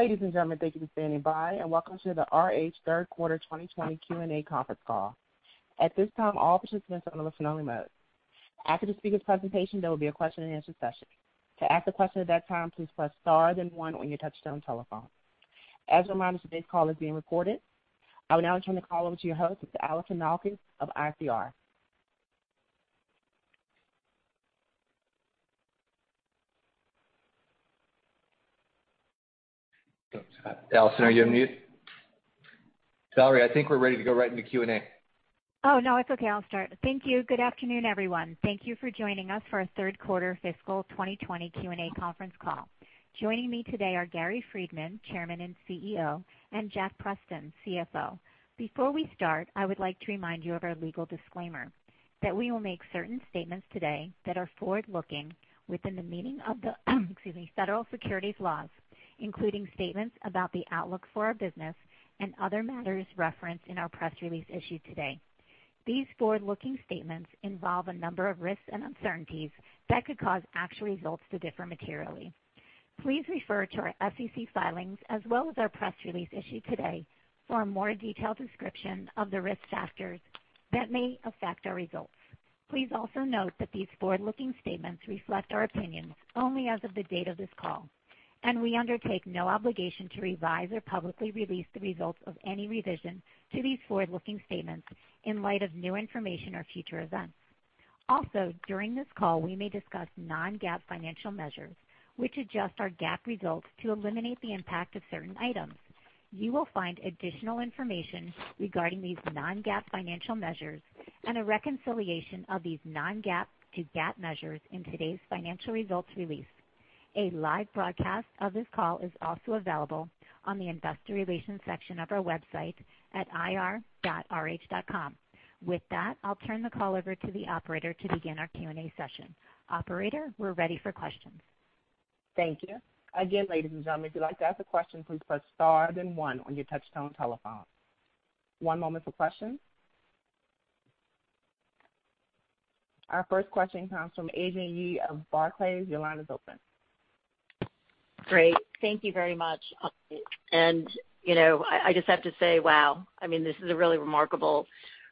Ladies and gentlemen, thank you for standing by, and welcome to the RH third quarter 2020 Q&A conference call. At this time, all participants are on a listen-only mode. After the speaker's presentation, there will be a question-and-answer session. To ask a question at that time, please press star then one on your touch-tone telephone. As a reminder, today's call is being recorded. I will now turn the call over to your host, Allison Malkin of ICR. Allison, are you on mute? Valerie, I think we're ready to go right into Q&A. Oh, no, it's okay. I'll start. Thank you. Good afternoon, everyone. Thank you for joining us for our third quarter fiscal 2020 Q&A conference call. Joining me today are Gary Friedman, Chairman and CEO, and Jack Preston, CFO. Before we start, I would like to remind you of our legal disclaimer, that we will make certain statements today that are forward-looking within the meaning of the, excuse me, federal securities laws, including statements about the outlook for our business and other matters referenced in our press release issued today. These forward-looking statements involve a number of risks and uncertainties that could cause actual results to differ materially. Please refer to our SEC filings as well as our press release issued today for a more detailed description of the risk factors that may affect our results. Please also note that these forward-looking statements reflect our opinions only as of the date of this call, and we undertake no obligation to revise or publicly release the results of any revision to these forward-looking statements in light of new information or future events. During this call, we may discuss non-GAAP financial measures, which adjust our GAAP results to eliminate the impact of certain items. You will find additional information regarding these non-GAAP financial measures and a reconciliation of these non-GAAP to GAAP measures in today's financial results release. A live broadcast of this call is also available on the investor relations section of our website at ir.rh.com. With that, I'll turn the call over to the operator to begin our Q&A session. Operator, we're ready for questions. Thank you. Again, ladies and gentlemen, if you'd like to ask a question, please press star then one on your touch-tone telephone. One moment for questions. Our first question comes from Adrienne Yih of Barclays. Your line is open. Great. Thank you very much. I just have to say wow. This is a really remarkable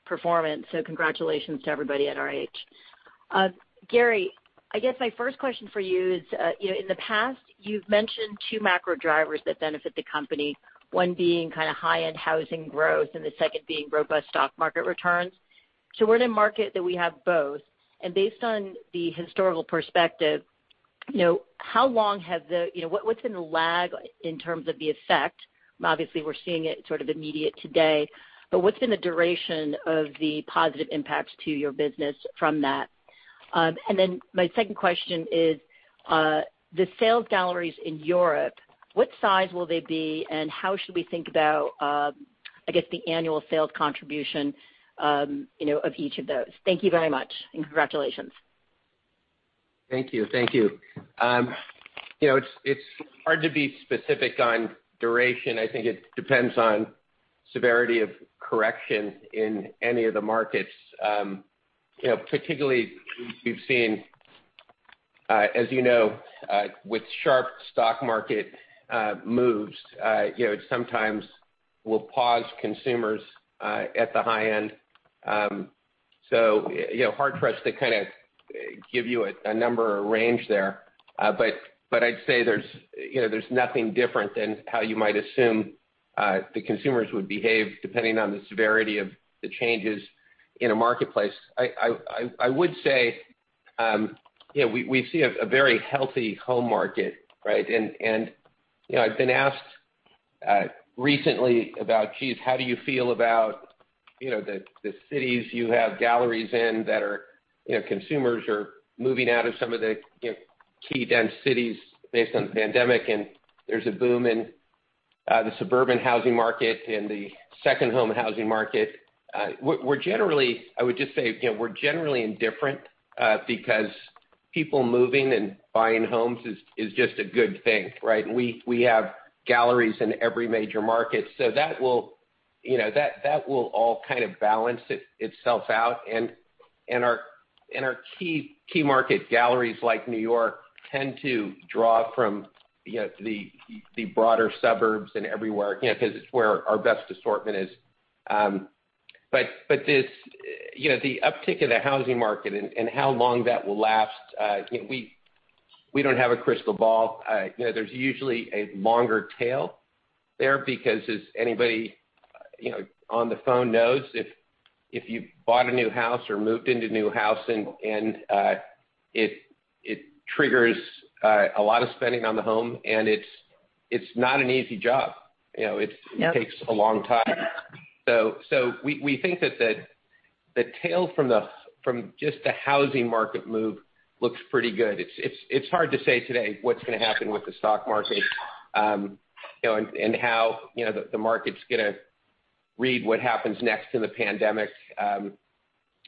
performance, so congratulations to everybody at RH. Gary, I guess my first question for you is, in the past you've mentioned two macro drivers that benefit the company, one being kind of high-end housing growth and the second being robust stock market returns. We're in a market that we have both, and based on the historical perspective, what's been the lag in terms of the effect? Obviously, we're seeing it sort of immediate today, but what's been the duration of the positive impacts to your business from that? My second question is, the sales galleries in Europe, what size will they be, and how should we think about, I guess, the annual sales contribution of each of those? Thank you very much, and congratulations. Thank you. It's hard to be specific on duration. I think it depends on severity of correction in any of the markets. Particularly, we've seen, as you know, with sharp stock market moves, it sometimes will pause consumers at the high end. Hard for us to kind of give you a number or range there, but I'd say there's nothing different than how you might assume the consumers would behave depending on the severity of the changes in a marketplace. I would say, we see a very healthy home market, right? I've been asked recently about, geez, how do you feel about the cities you have galleries in that consumers are moving out of some of the key dense cities based on the pandemic, and there's a boom in the suburban housing market and the second-home housing market. I would just say we're generally indifferent because people moving and buying homes is just a good thing, right? We have galleries in every major market, so that will all kind of balance itself out. Our key market galleries like New York tend to draw from the broader suburbs and everywhere, because it's where our best assortment is. The uptick in the housing market and how long that will last, we don't have a crystal ball. There's usually a longer tail there because as anybody on the phone knows, if you bought a new house or moved into a new house and it triggers a lot of spending on the home, and it's not an easy job. Yep. It takes a long time. We think that the tail from just the housing market move looks pretty good. It's hard to say today what's going to happen with the stock market, and how the market's going to read what happens next in the pandemic.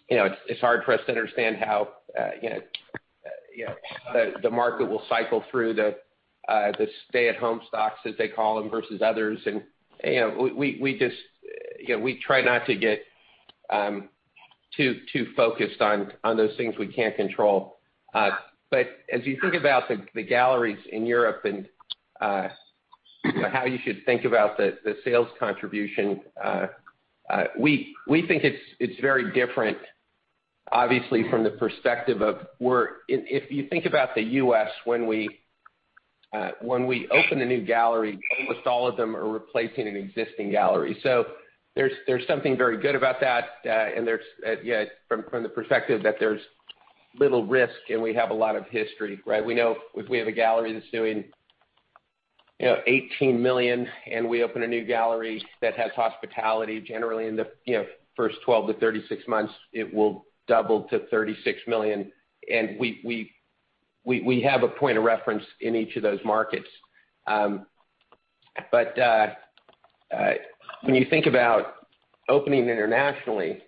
It's hard for us to understand the market will cycle through the stay-at-home stocks, as they call them, versus others. We try not to get too focused on those things we can't control. As you think about the galleries in Europe and how you should think about the sales contribution, we think it's very different, obviously, from the perspective of work. If you think about the U.S., when we open a new gallery, almost all of them are replacing an existing gallery. There's something very good about that, from the perspective that there's little risk and we have a lot of history, right? We know if we have a gallery that's doing $18 million, and we open a new gallery that has hospitality, generally in the first 12-36 months, it will double to $36 million. We have a point of reference in each of those markets. When you think about opening internationally,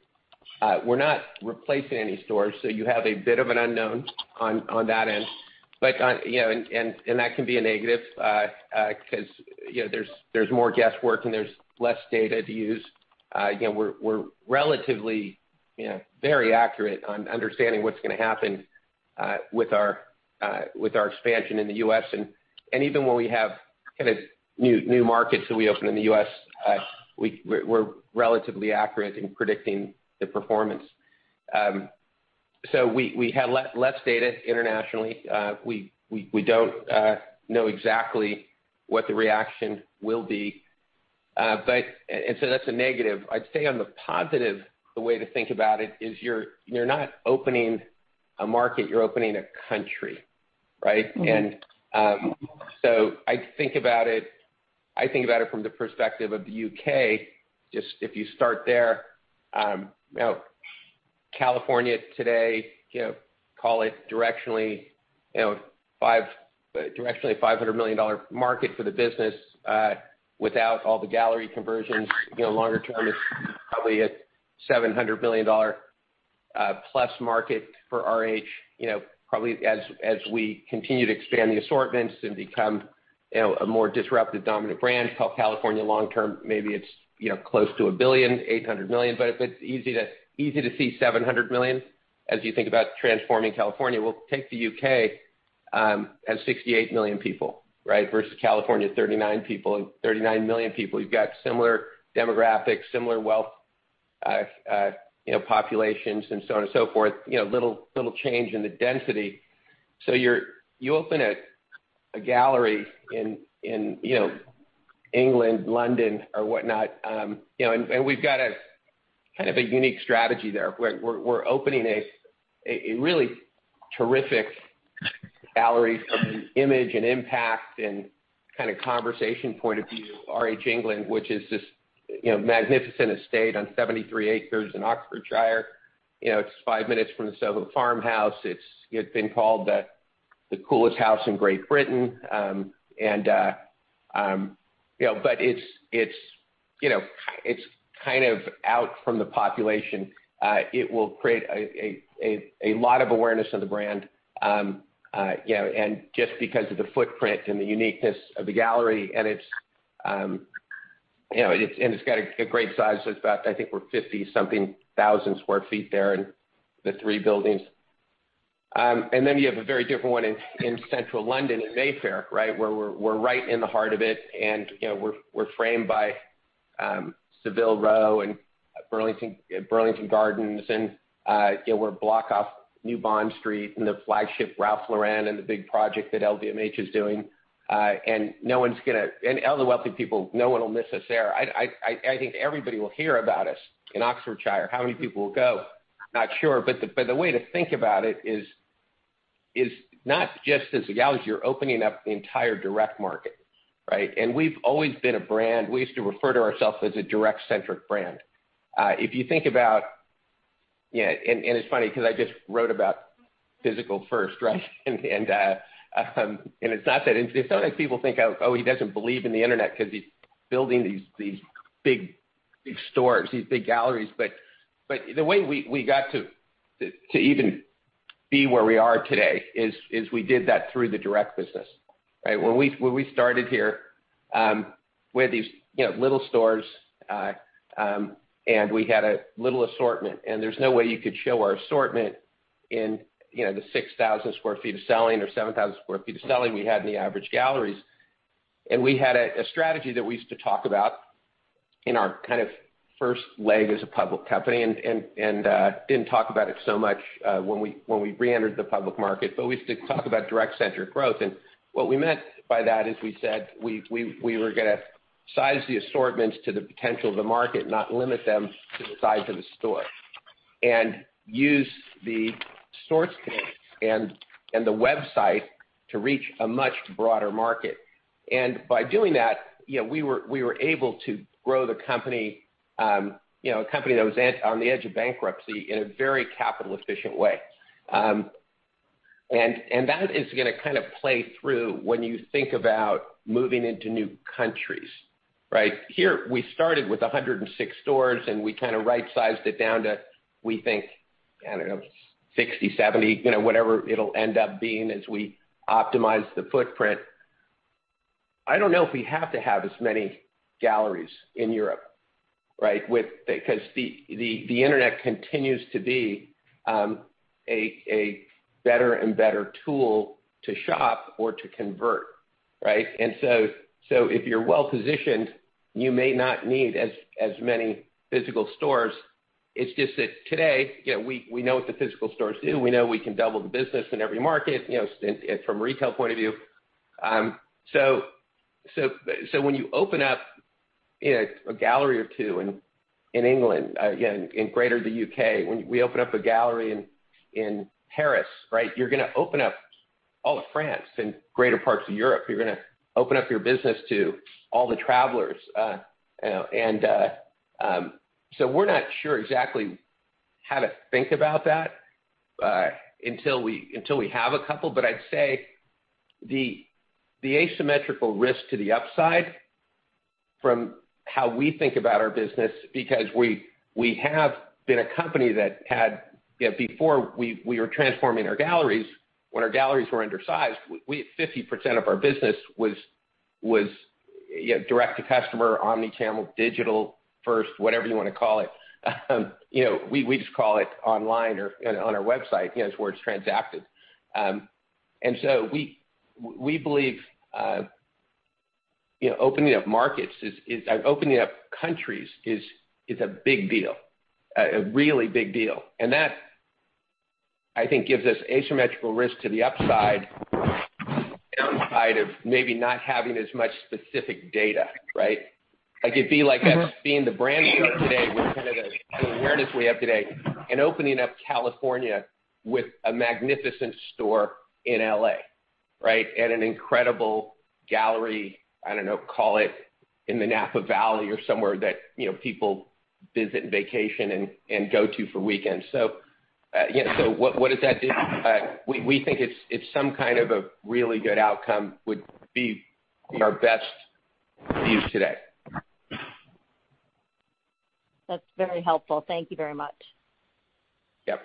we're not replacing any stores, so you have a bit of an unknown on that end. That can be a negative because there's more guesswork and there's less data to use. We're relatively very accurate on understanding what's going to happen with our expansion in the U.S. Even when we have new markets that we open in the U.S., we're relatively accurate in predicting the performance. We have less data internationally. We don't know exactly what the reaction will be. That's a negative. I'd say on the positive, the way to think about it is you're not opening a market, you're opening a country, right? I think about it from the perspective of the U.K., just if you start there. California today, call it directionally a $500 million market for the business. Without all the gallery conversions, longer term, it's probably a $700 million plus market for RH. Probably as we continue to expand the assortments and become a more disruptive, dominant brand, California long term, maybe it's close to $1 billion, $800 million. It's easy to see $700 million as you think about transforming California. Take the U.K. at 68 million people, right? Versus California, 39 million people. You've got similar demographics, similar wealth populations, and so on and so forth. Little change in the density. You open a gallery in England, London, or whatnot, and we've got a unique strategy there, where we're opening a really terrific gallery from an image and impact and conversation point of view, RH England, which is this magnificent estate on 73 acres in Oxfordshire. It's five minutes from the Soho Farmhouse. It's been called the coolest house in Great Britain. It's out from the population. It will create a lot of awareness of the brand, and just because of the footprint and the uniqueness of the gallery, and it's got a great size. It's about, I think we're 50-something thousand sq ft there in the three buildings. You have a very different one in central London in Mayfair, right? Where we're right in the heart of it, and we're framed by Savile Row and Burlington Gardens. We're a block off New Bond Street from the flagship Ralph Lauren and the big project that LVMH is doing. All the wealthy people, no one will miss us there. I think everybody will hear about us in Oxfordshire. How many people will go? Not sure. The way to think about it is not just as a gallery. You're opening up the entire direct market, right? We've always been a brand, we used to refer to ourself as a direct-centric brand. It's funny because I just wrote about physical-first, right? It's not that people think, oh, he doesn't believe in the internet because he's building these big stores, these big galleries. The way we got to even be where we are today is we did that through the direct business, right? When we started here, we had these little stores, and we had a little assortment, and there's no way you could show our assortment in the 6,000 sq ft of selling or 7,000 sq ft of selling we had in the average galleries. We had a strategy that we used to talk about in our first leg as a public company, and didn't talk about it so much when we re-entered the public market. We used to talk about direct-centric growth. What we meant by that is we said we were going to size the assortments to the potential of the market, not limit them to the size of the store, and use the store space and the website to reach a much broader market. By doing that, we were able to grow the company, a company that was on the edge of bankruptcy, in a very capital-efficient way. That is going to play through when you think about moving into new countries. Right? Here, we started with 106 stores and we kind of right-sized it down to, we think, I don't know, 60, 70, whatever it'll end up being as we optimize the footprint. I don't know if we have to have as many galleries in Europe, right? Because the internet continues to be a better and better tool to shop or to convert, right? If you're well-positioned, you may not need as many physical stores. It's just that today, we know what the physical stores do. We know we can double the business in every market from a retail point of view. When you open up a gallery or two in England, again, in greater the U.K., when we open up a gallery in Paris, right, you're going to open up all of France and greater parts of Europe. You're going to open up your business to all the travelers. I'd say the asymmetrical risk to the upside from how we think about our business, because we have been a company that had Before we were transforming our galleries, when our galleries were undersized, 50% of our business was direct-to-customer, omnichannel, digital first, whatever you want to call it. We just call it online or on our website, is where it's transacted. We believe opening up markets is, opening up countries is a big deal, a really big deal. That, I think, gives us asymmetrical risk to the upside, downside of maybe not having as much specific data, right? Like it'd be like us being the brand we are today with kind of the awareness we have today, and opening up California with a magnificent store in L.A., right? An incredible gallery, I don't know, call it in the Napa Valley or somewhere that people visit and vacation and go to for weekends. What does that do? We think it's some kind of a really good outcome would be our best views today. That's very helpful. Thank you very much. Yep.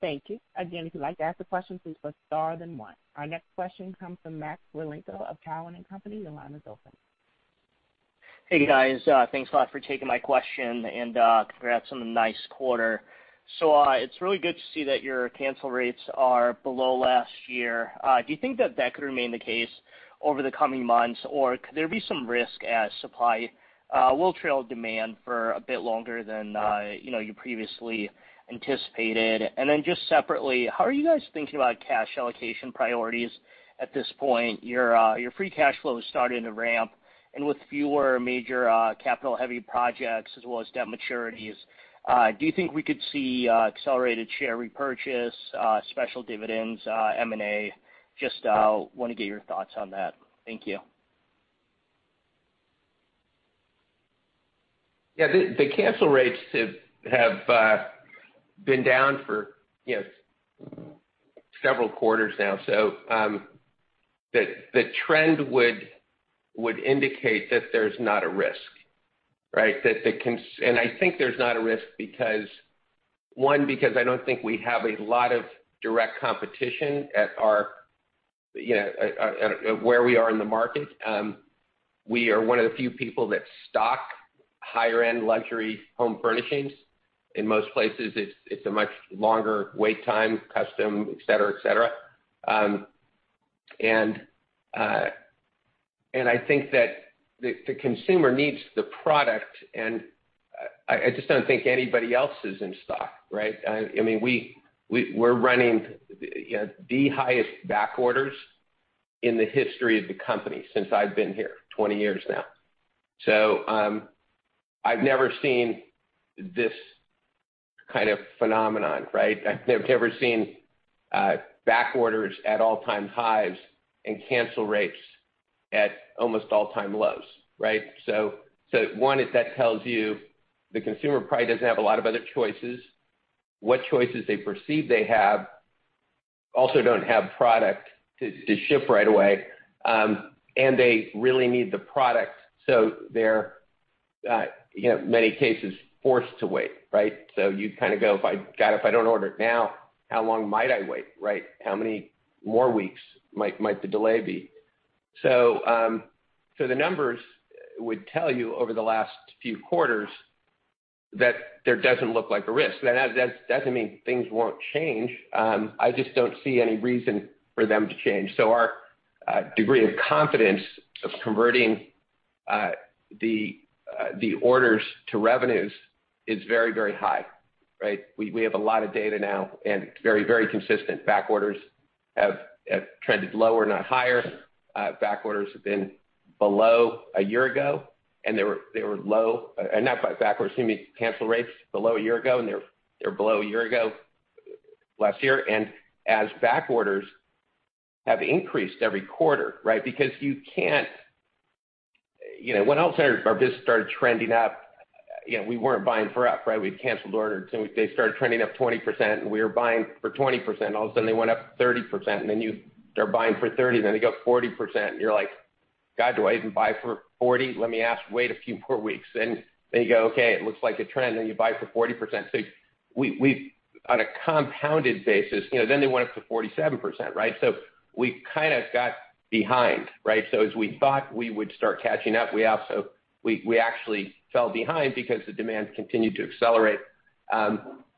Thank you. Again, if you'd like to ask a question, please press star then one. Our next question comes from Max Rakhlenko of Cowen and Company. Your line is open. Hey, guys. Thanks a lot for taking my question. Congrats on a nice quarter. It's really good to see that your cancel rates are below last year. Do you think that that could remain the case over the coming months? Could there be some risk as supply will trail demand for a bit longer than you previously anticipated? Just separately, how are you guys thinking about cash allocation priorities at this point? Your free cash flow is starting to ramp with fewer major capital-heavy projects as well as debt maturities, do you think we could see accelerated share repurchase, special dividends, M&A? Just want to get your thoughts on that. Thank you. The cancel rates have been down for several quarters now, the trend would indicate that there's not a risk, right? I think there's not a risk because, one, because I don't think we have a lot of direct competition at where we are in the market. We are one of the few people that stock higher-end luxury home furnishings. In most places, it's a much longer wait time, custom, et cetera. I think that the consumer needs the product, and I just don't think anybody else is in stock, right? We're running the highest back orders in the history of the company since I've been here 20 years now. I've never seen this kind of phenomenon, right? I've never seen back orders at all-time highs and cancel rates at almost all-time lows, right? One is that tells you the consumer probably doesn't have a lot of other choices. What choices they perceive they have also don't have product to ship right away. They really need the product, so they're in many cases forced to wait, right? You kind of go, "If I don't order it now, how long might I wait?" Right? "How many more weeks might the delay be?" The numbers would tell you over the last few quarters that there doesn't look like a risk. That doesn't mean things won't change. I just don't see any reason for them to change. Our degree of confidence of converting the orders to revenues is very high. Right? We have a lot of data now and very consistent back orders have trended lower, not higher. Back orders have been below a year ago, and they were low. Not back orders, excuse me. Cancel rates below a year ago, and they were below a year ago last year. As back orders have increased every quarter, right? When outlet centers, our business started trending up, we weren't buying for up, right? We'd canceled orders, and they started trending up 20%, and we were buying for 20%. All of a sudden, they went up 30%, then you start buying for 30%. They go 40%, and you're like, "God, do I even buy for 40? Let me ask. Wait a few more weeks." Then you go, "Okay, it looks like a trend," and you buy for 40%. On a compounded basis, they went up to 47%, right? We kind of got behind, right? We actually fell behind because the demand continued to accelerate.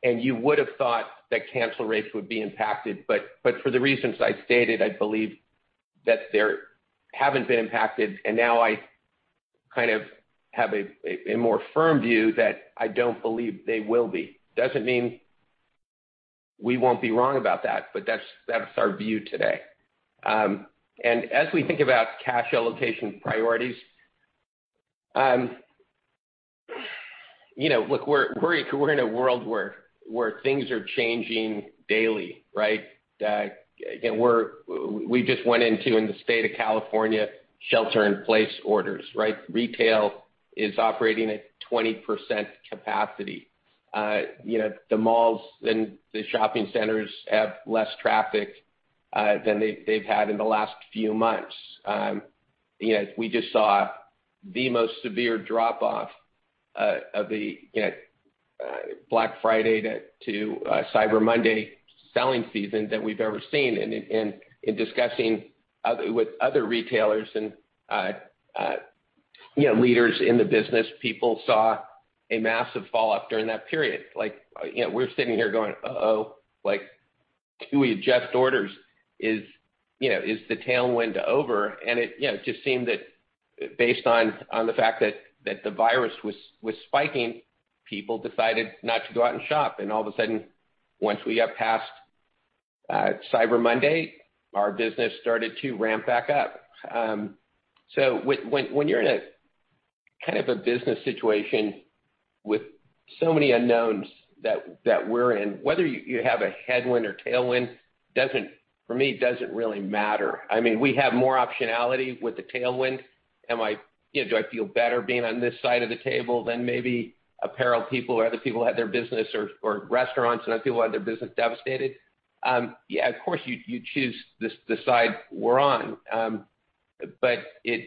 You would have thought that cancel rates would be impacted, but for the reasons I stated, I believe that they haven't been impacted, and now I kind of have a more firm view that I don't believe they will be. Doesn't mean we won't be wrong about that, but that's our view today. As we think about cash allocation priorities, look, we're in a world where things are changing daily, right? We just went into, in the state of California, shelter-in-place orders, right? Retail is operating at 20% capacity. The malls and the shopping centers have less traffic than they've had in the last few months. We just saw the most severe drop-off of the Black Friday to Cyber Monday selling season that we've ever seen. In discussing with other retailers and leaders in the business, people saw a massive fall off during that period. We're sitting here going, "Uh-oh. Do we adjust orders? Is the tailwind over?" It just seemed that based on the fact that the virus was spiking, people decided not to go out and shop. All of a sudden, once we got past Cyber Monday, our business started to ramp back up. When you're in a business situation with so many unknowns that we're in, whether you have a headwind or tailwind, for me, it doesn't really matter. We have more optionality with the tailwind. Do I feel better being on this side of the table than maybe apparel people or other people who had their business, or restaurants and other people who had their business devastated? Yeah, of course, you choose the side we're on. It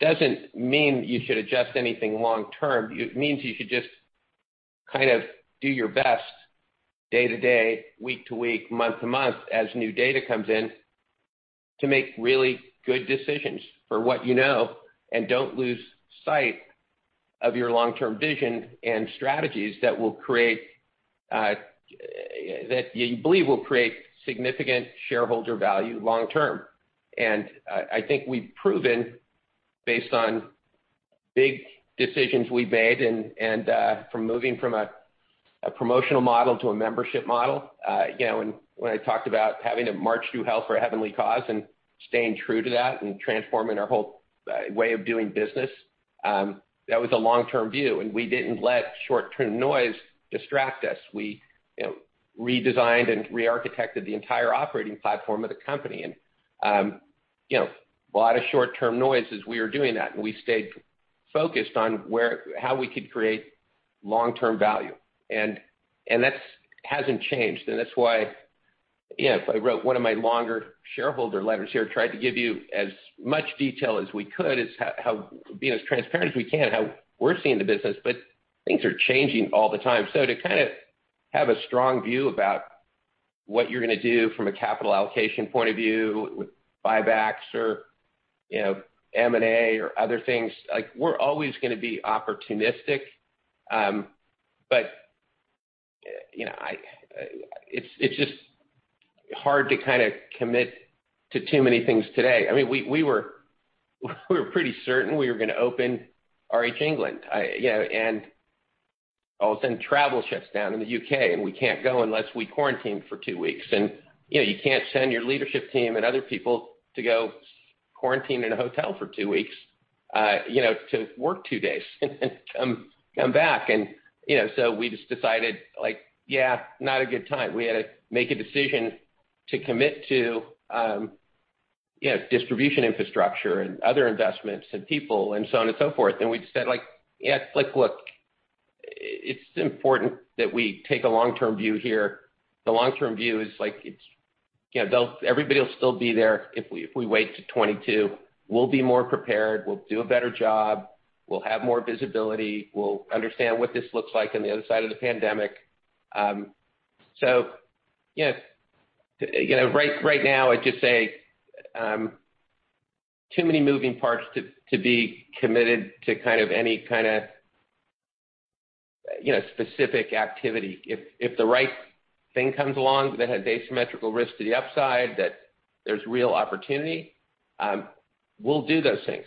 doesn't mean you should adjust anything long term. It means you should just kind of do your best day to day, week to week, month to month, as new data comes in to make really good decisions for what you know, and don't lose sight of your long-term vision and strategies that you believe will create significant shareholder value long term. I think we've proven, based on big decisions we've made, and from moving from a promotional model to a membership model, when I talked about having to march through hell for a heavenly cause and staying true to that and transforming our whole way of doing business, that was a long-term view, and we didn't let short-term noise distract us. We redesigned and re-architected the entire operating platform of the company, and a lot of short-term noise as we were doing that, and we stayed focused on how we could create long-term value. That hasn't changed. That's why I wrote one of my longer shareholder letters here, tried to give you as much detail as we could, being as transparent as we can, how we're seeing the business, but things are changing all the time. To kind of have a strong view about what you're going to do from a capital allocation point of view with buybacks or M&A or other things, we're always going to be opportunistic. It's just hard to commit to too many things today. We were pretty certain we were going to open RH England. All of a sudden, travel shuts down in the U.K., and we can't go unless we quarantine for two weeks. You can't send your leadership team and other people to go quarantine in a hotel for two weeks to work two days and come back. We just decided, yeah, not a good time. We had to make a decision to commit to distribution infrastructure and other investments and people and so on and so forth. We just said, "Look, it's important that we take a long-term view here." The long-term view is everybody will still be there if we wait to 2022. We'll be more prepared. We'll do a better job. We'll have more visibility. We'll understand what this looks like on the other side of the pandemic. Right now, I'd just say too many moving parts to be committed to any kind of specific activity. If the right thing comes along that has asymmetrical risk to the upside, that there's real opportunity, we'll do those things.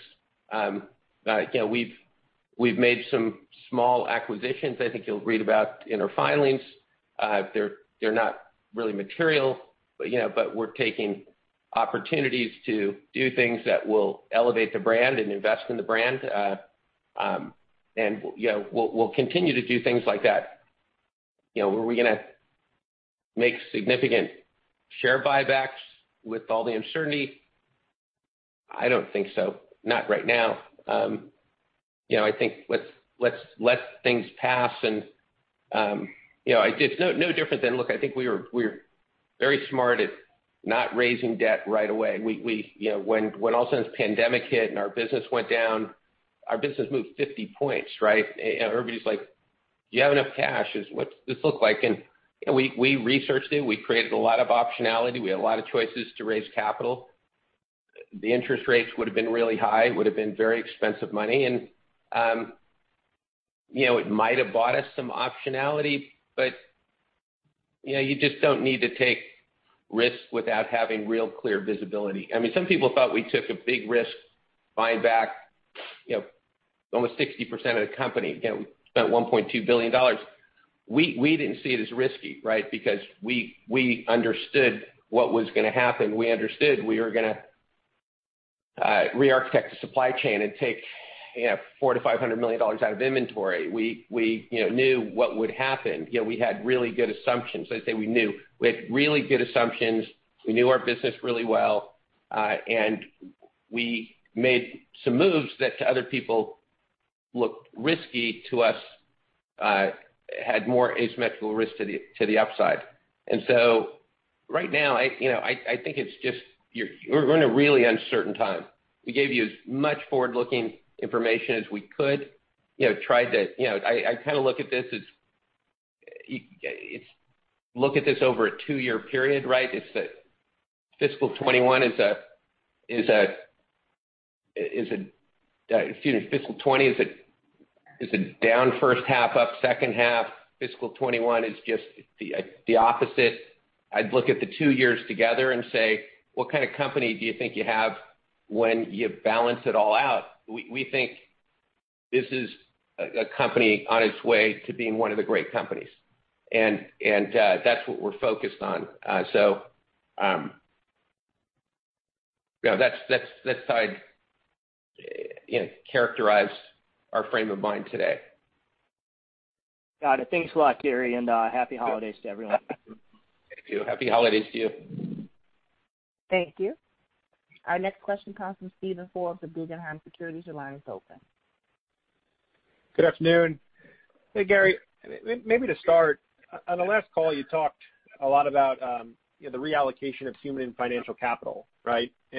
We've made some small acquisitions. I think you'll read about in our filings. They're not really material, but we're taking opportunities to do things that will elevate the brand and invest in the brand. We'll continue to do things like that. Make significant share buybacks with all the uncertainty? I don't think so. Not right now. I think let's let things pass and it's no different than Look, I think we're very smart at not raising debt right away. When all this pandemic hit and our business went down, our business moved 50 points, right? Everybody's like, "Do you have enough cash? What's this look like? We researched it. We created a lot of optionality. We had a lot of choices to raise capital. The interest rates would've been really high, would've been very expensive money and it might have bought us some optionality, but you just don't need to take risks without having real clear visibility. Some people thought we took a big risk buying back almost 60% of the company. We spent $1.2 billion. We didn't see it as risky, right? Because we understood what was going to happen. We understood we were going to re-architect the supply chain and take $400 million-$500 million out of inventory. We knew what would happen. We had really good assumptions. I say we knew. We had really good assumptions, we knew our business really well, and we made some moves that to other people looked risky. To us, had more asymmetrical risk to the upside. Right now, I think we're in a really uncertain time. We gave you as much forward-looking information as we could. I look at this over a two-year period, right? Fiscal 2020 is down first half, up second half. Fiscal 2021 is just the opposite. I'd look at the two years together and say, "What kind of company do you think you have when you balance it all out?" We think this is a company on its way to being one of the great companies. That's what we're focused on. That said, characterize our frame of mind today. Got it. Thanks a lot, Gary, and happy holidays to everyone. Thank you. Happy holidays to you. Thank you. Our next question comes from Steven Forbes of Guggenheim Securities. Open. Good afternoon. Hey, Gary. Maybe to start, on the last call you talked a lot about the reallocation of human and financial capital, right? I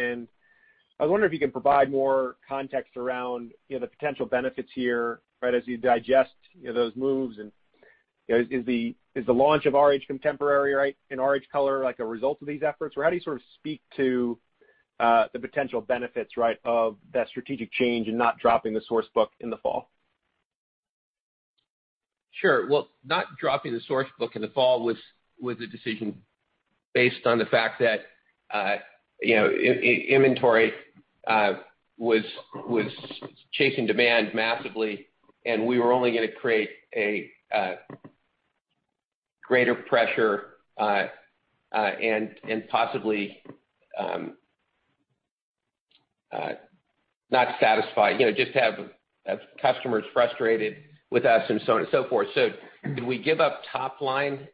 was wondering if you could provide more context around the potential benefits here, right, as you digest those moves and is the launch of RH Contemporary and RH Color a result of these efforts? How do you sort of speak to the potential benefits of that strategic change and not dropping the Sourcebook in the fall? Sure. Well, not dropping the Sourcebook in the fall was a decision based on the fact that inventory was chasing demand massively, and we were only going to create a greater pressure, and possibly not satisfy, just have customers frustrated with us and so on and so forth. Did we give up top line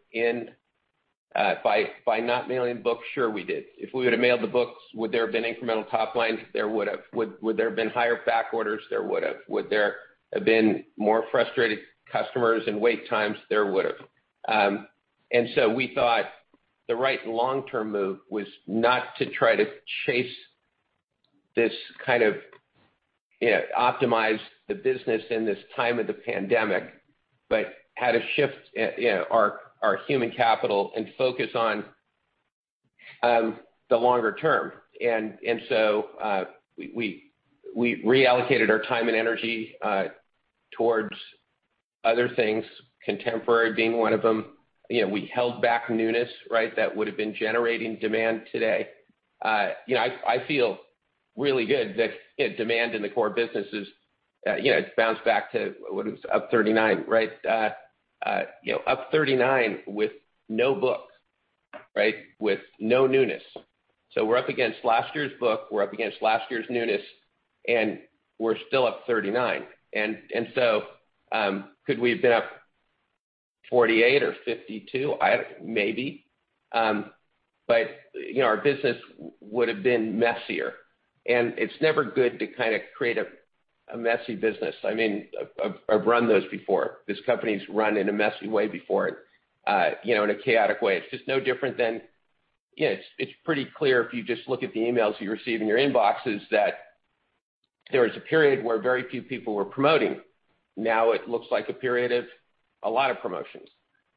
by not mailing books? Sure we did. If we would've mailed the books, would there have been incremental top line? There would've. Would there have been higher back orders? There would've. Would there have been more frustrated customers and wait times? There would've. We thought the right long-term move was not to try to chase this kind of optimize the business in this time of the pandemic, but how to shift our human capital and focus on the longer term. We reallocated our time and energy towards other things, Contemporary being one of them. We held back newness, right? That would've been generating demand today. I feel really good that demand in the core business has bounced back to, what is it, up 39%, right? Up 39% with no book. Right? With no newness. We're up against last year's book, we're up against last year's newness, and we're still up 39%. Could we have been up 48% or 52%? Maybe. Our business would've been messier, and it's never good to create a messy business. I've run those before. This company's run in a messy way before, in a chaotic way. It's pretty clear if you just look at the emails you receive in your inboxes, that there was a period where very few people were promoting. Now it looks like a period of a lot of promotions.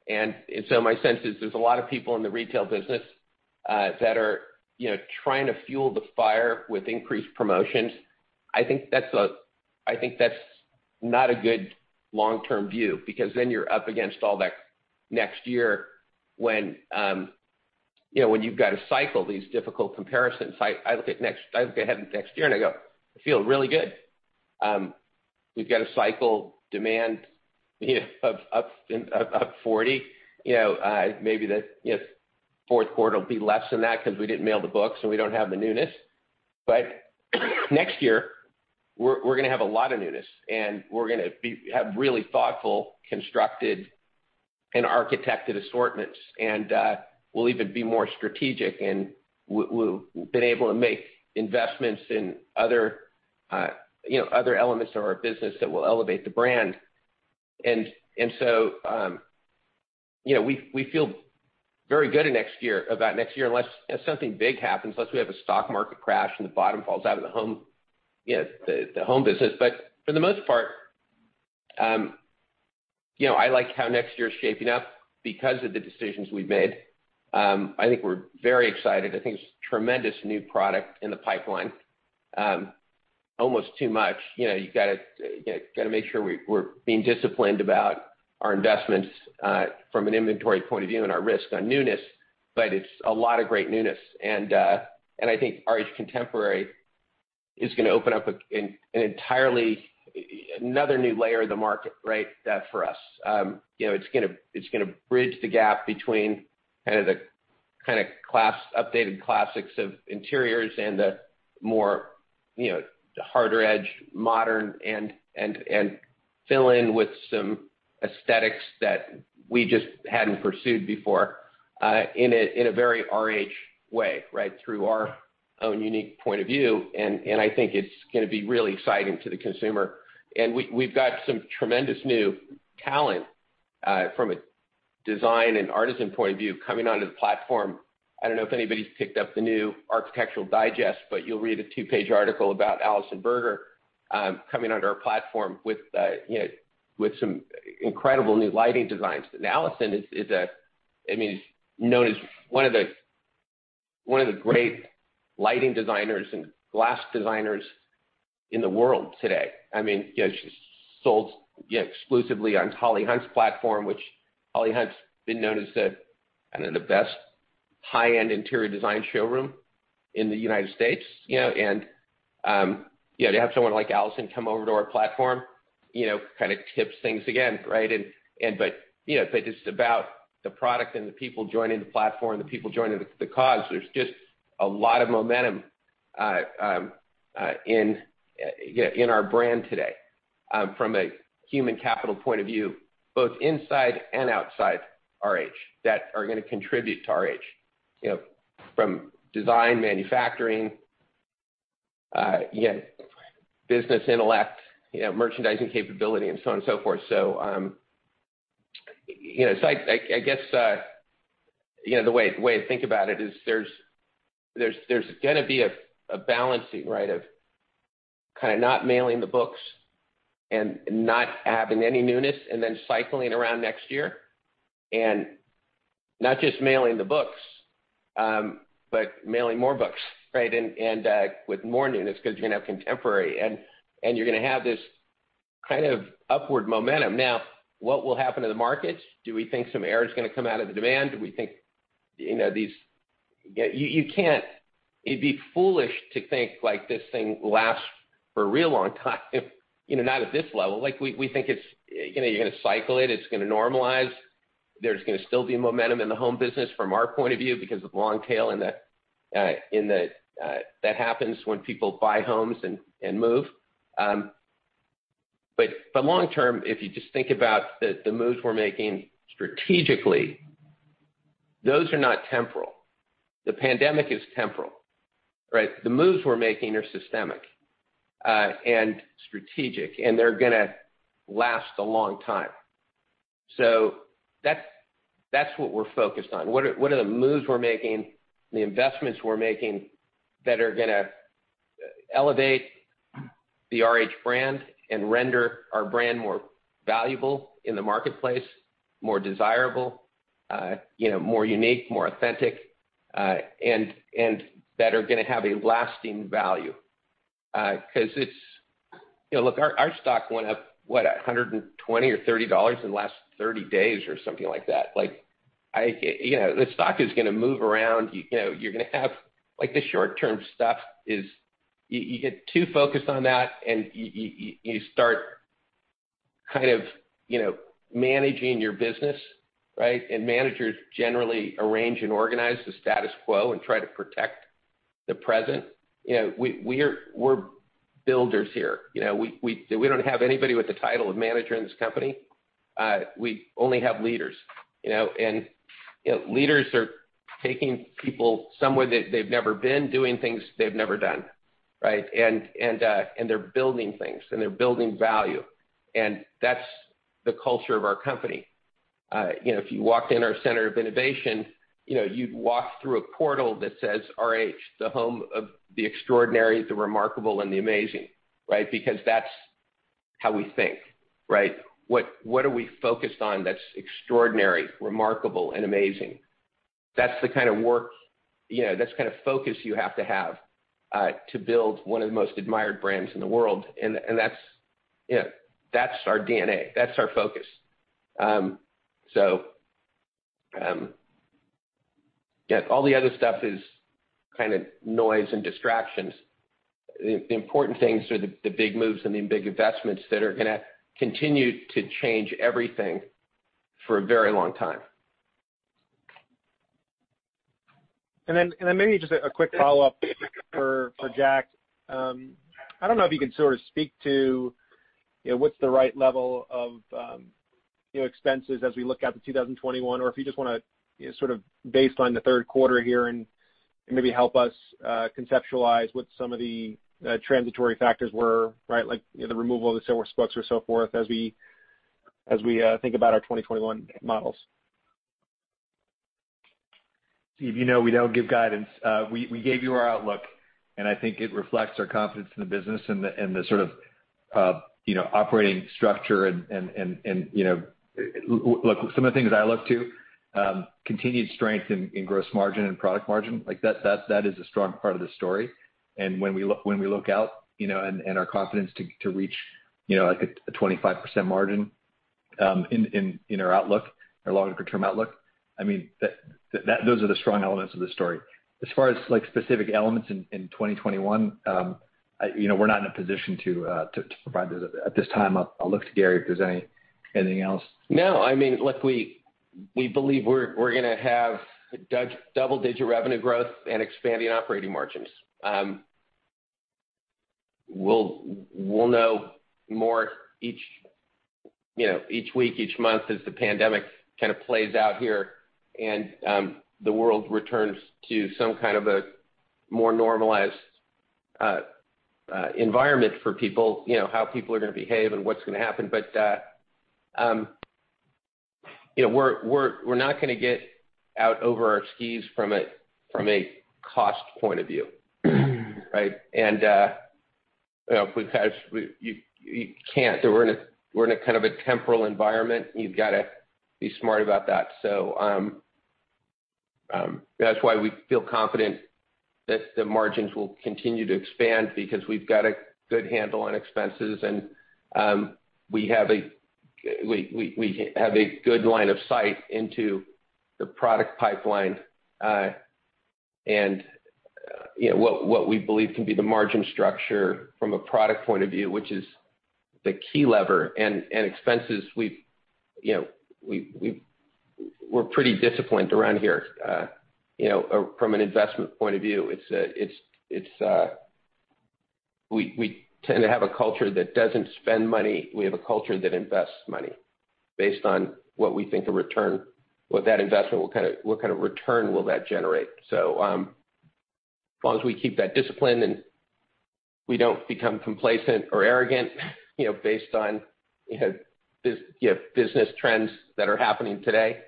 My sense is there's a lot of people in the retail business that are trying to fuel the fire with increased promotions. I think that's not a good long-term view because then you're up against all that next year when you've got to cycle these difficult comparisons. I look ahead into next year and I go, "I feel really good." We've got a cycle demand of up 40%. Maybe the fourth quarter will be less than that because we didn't mail the book, so we don't have the newness. Next year, we're going to have a lot of newness, and we're going to have really thoughtful, constructed, and architected assortments, and we'll even be more strategic and we've been able to make investments in other elements of our business that will elevate the brand. We feel very good about next year, unless something big happens, unless we have a stock market crash and the bottom falls out of the home business. For the most part, I like how next year is shaping up because of the decisions we've made. I think we're very excited. I think there's tremendous new product in the pipeline. Almost too much. You've got to make sure we're being disciplined about our investments from an inventory point of view and our risk on newness, but it's a lot of great newness. I think RH Contemporary is going to open up another new layer of the market for us. It's going to bridge the gap between the kind of updated classics of interiors and the more harder edge, modern, and fill in with some aesthetics that we just hadn't pursued before, in a very RH way, through our own unique point of view. I think it's going to be really exciting to the consumer. We've got some tremendous new talent from a design and artisan point of view coming onto the platform. I don't know if anybody's picked up the new Architectural Digest, but you'll read a two-page article about Alison Berger coming onto our platform with some incredible new lighting designs. Alison is known as one of the great lighting designers and glass designers in the world today. She's sold exclusively on Holly Hunt's platform, which Holly Hunt's been known as the best high-end interior design showroom in the United States. To have someone like Alison come over to our platform kind of tips things again. It's about the product and the people joining the platform, the people joining the cause. There's just a lot of momentum in our brand today from a human capital point of view, both inside and outside RH, that are going to contribute to RH. From design, manufacturing, business intellect, merchandising capability, and so on and so forth. I guess the way to think about it is there's going to be a balancing of kind of not mailing the books and not having any newness and then cycling around next year. Not just mailing the books, but mailing more books. With more newness because you're going to have Contemporary and you're going to have this kind of upward momentum. What will happen to the market? Do we think some air is going to come out of the demand? It'd be foolish to think like this thing lasts for a real long time, not at this level. We think you're going to cycle it's going to normalize. There's going to still be momentum in the home business from our point of view because of long tail and that happens when people buy homes and move. Long term, if you just think about the moves we're making strategically, those are not temporal. The pandemic is temporal. The moves we're making are systemic and strategic, and they're going to last a long time. That's what we're focused on. What are the moves we're making, the investments we're making that are going to elevate the RH brand and render our brand more valuable in the marketplace, more desirable, more unique, more authentic, and that are going to have a lasting value. Look, our stock went up, what, $120 or $30 in the last 30 days or something like that. The stock is going to move around. The short-term stuff is you get too focused on that and you start kind of managing your business. Managers generally arrange and organize the status quo and try to protect the present. We're builders here. We don't have anybody with the title of manager in this company. We only have leaders. Leaders are taking people somewhere that they've never been, doing things they've never done. They're building things, and they're building value. That's the culture of our company. If you walked in our Center of Innovation, you'd walk through a portal that says, "RH, the home of the extraordinary, the remarkable, and the amazing." That's how we think. What are we focused on that's extraordinary, remarkable, and amazing? That's the kind of work, that's the kind of focus you have to have to build one of the most admired brands in the world. That's our DNA. That's our focus. All the other stuff is kind of noise and distractions. The important things are the big moves and the big investments that are going to continue to change everything for a very long time. Maybe just a quick follow-up for Jack. I don't know if you can sort of speak to what's the right level of expenses as we look out to 2021, or if you just want to sort of baseline the third quarter here and maybe help us conceptualize what some of the transitory factors were, right? Like, the removal of the summer sparks or so forth as we think about our 2021 models. Steve, you know we don't give guidance. We gave you our outlook, and I think it reflects our confidence in the business and the sort of operating structure. Look, some of the things I look to, continued strength in gross margin and product margin. That is a strong part of the story. When we look out and our confidence to reach like a 25% margin in our outlook, our longer-term outlook, those are the strong elements of the story. As far as specific elements in 2021, we're not in a position to provide those at this time. I'll look to Gary if there's anything else. No. Look, we believe we're going to have double-digit revenue growth and expanding operating margins. We'll know more each week, each month, as the pandemic kind of plays out here and the world returns to some kind of a more normalized environment for people. How people are going to behave and what's going to happen. We're not going to get out over our skis from a cost point of view, right. You can't. We're in a kind of a temporal environment. You've got to be smart about that. That's why we feel confident that the margins will continue to expand, because we've got a good handle on expenses, and we have a good line of sight into the product pipeline, and what we believe can be the margin structure from a product point of view, which is the key lever. Expenses, we're pretty disciplined around here. From an investment point of view, we tend to have a culture that doesn't spend money. We have a culture that invests money based on what we think a return, what that investment, what kind of return will that generate. As long as we keep that discipline and we don't become complacent or arrogant based on business trends that are happening today,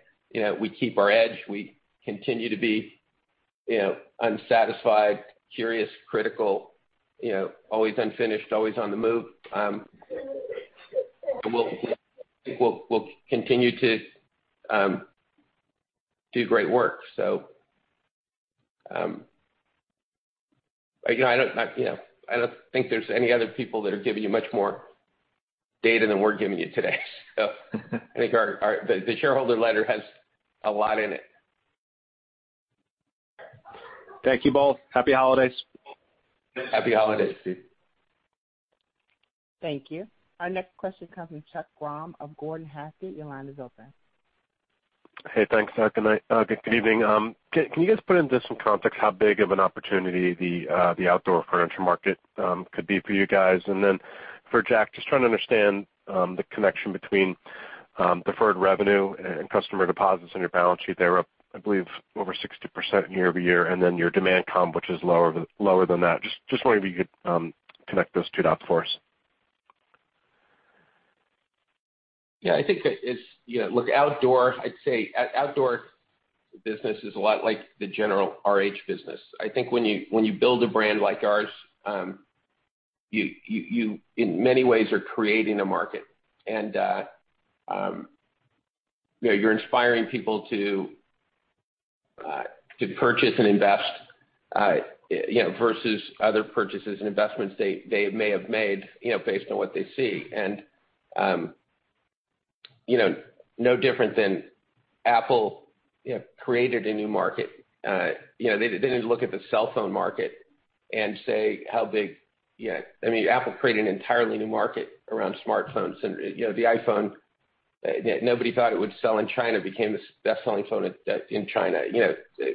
we keep our edge, we continue to be unsatisfied, curious, critical, always unfinished, always on the move, I think we'll continue to do great work. I don't think there's any other people that are giving you much more data than we're giving you today. I think the shareholder letter has a lot in it. Thank you both. Happy holidays. Happy holidays, Steve. Thank you. Our next question comes from Chuck Grom of Gordon Haskett. Your line is open. Hey, thanks. Good evening. Can you guys put into some context how big of an opportunity the outdoor furniture market could be for you guys? For Jack, just trying to understand the connection between deferred revenue and customer deposits on your balance sheet. They were up, I believe, over 60% year-over-year, and then your demand comp, which is lower than that. Just wondering if you could connect those two dots for us. Yeah, I think that look, outdoor, I'd say outdoor business is a lot like the general RH business. I think when you build a brand like ours, you in many ways are creating a market and you're inspiring people to purchase and invest versus other purchases and investments they may have made based on what they see. No different than Apple created a new market. They didn't look at the cell phone market and say how big Apple created an entirely new market around smartphones. The iPhone, nobody thought it would sell in China, became the best-selling phone in China.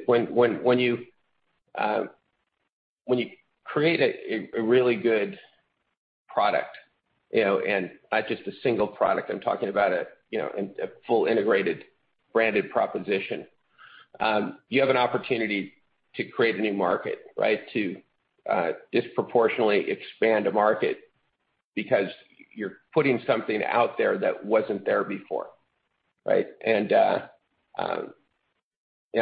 When you create a really good product, and not just a single product, I'm talking about a full integrated branded proposition, you have an opportunity to create a new market, right? To disproportionately expand a market because you're putting something out there that wasn't there before, right?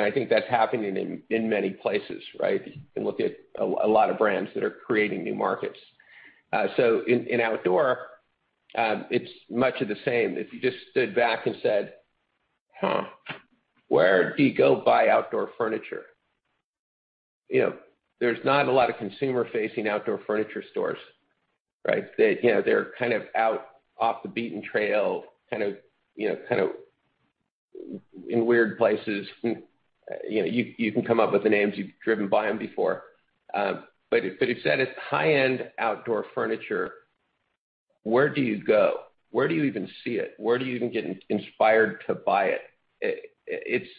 I think that's happening in many places, right? You can look at a lot of brands that are creating new markets. In outdoor, it's much of the same. If you just stood back and said, "Huh, where do you go buy outdoor furniture?" There's not a lot of consumer-facing outdoor furniture stores, right? They're kind of out, off the beaten trail, kind of in weird places. You can come up with the names. You've driven by them before. If that is high-end outdoor furniture. Where do you go? Where do you even see it? Where do you even get inspired to buy it?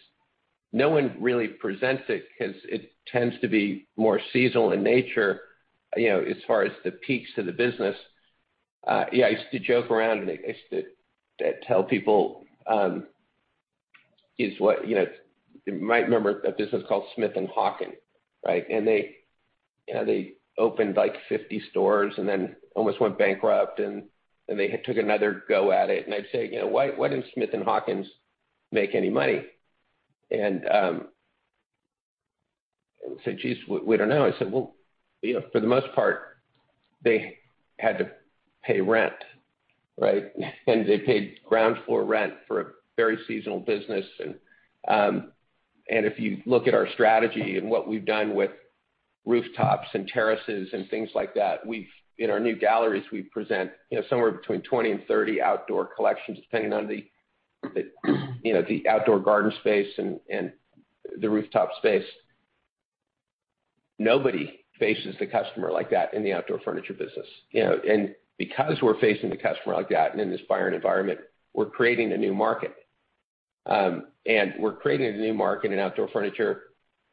No one really presents it because it tends to be more seasonal in nature as far as the peaks of the business. Yeah, I used to joke around, and I used to tell people, you might remember a business called Smith & Hawken. Right? They opened, like, 50 stores and then almost went bankrupt, and they took another go at it. I'd say, "Why didn't Smith & Hawken make any money?" They said, "Jeez, we don't know." I said, "Well, for the most part, they had to pay rent," right? They paid ground floor rent for a very seasonal business. If you look at our strategy and what we've done with rooftops and terraces and things like that, in our new galleries, we present somewhere between 20 and 30 outdoor collections, depending on the outdoor garden space and the rooftop space. Nobody faces the customer like that in the outdoor furniture business. Because we're facing the customer like that and in this buying environment, we're creating a new market. We're creating a new market in outdoor furniture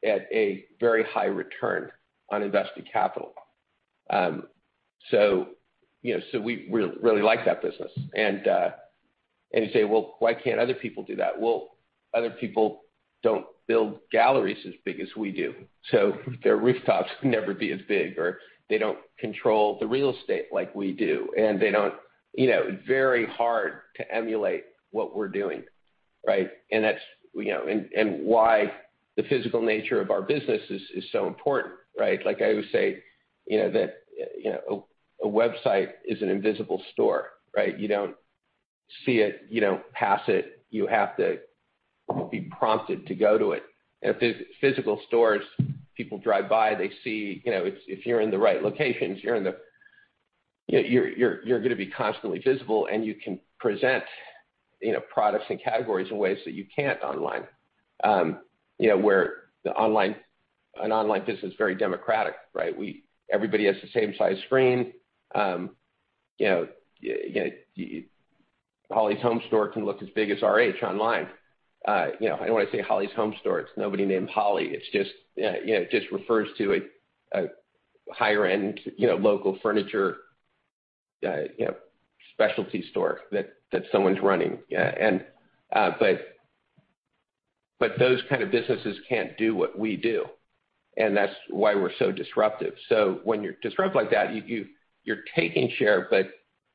at a very high return on invested capital. We really like that business. You say, "Well, why can't other people do that?" Other people don't build galleries as big as we do, so their rooftops can never be as big, or they don't control the real estate like we do. It's very hard to emulate what we're doing, right? Why the physical nature of our business is so important, right? Like I always say, that a website is an invisible store, right? You don't see it, you don't pass it. You have to be prompted to go to it. In physical stores, people drive by. If you're in the right locations, you're going to be constantly visible, and you can present products and categories in ways that you can't online. An online business is very democratic, right? Everybody has the same size screen. Holly's Home Store can look as big as RH online. When I say Holly's Home Store, it's nobody named Holly. It just refers to a higher-end local furniture specialty store that someone's running. Those kind of businesses can't do what we do, and that's why we're so disruptive. When you're disruptive like that, you're taking share, but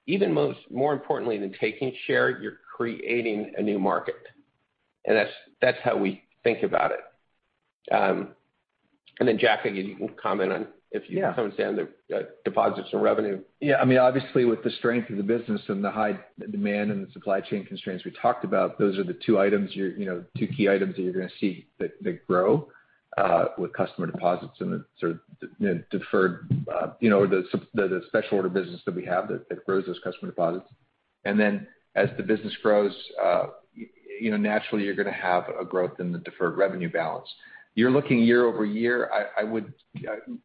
even more importantly than taking share, you're creating a new market. That's how we think about it. Then, Jack, again, you can comment on if you understand the deposits and revenue. Yeah. Obviously, with the strength of the business and the high demand and the supply chain constraints we talked about, those are the two key items that you're going to see that grow with customer deposits and the sort of deferred, or the special order business that we have that grows as customer deposits. As the business grows, naturally you're going to have a growth in the deferred revenue balance. You're looking year-over-year. I would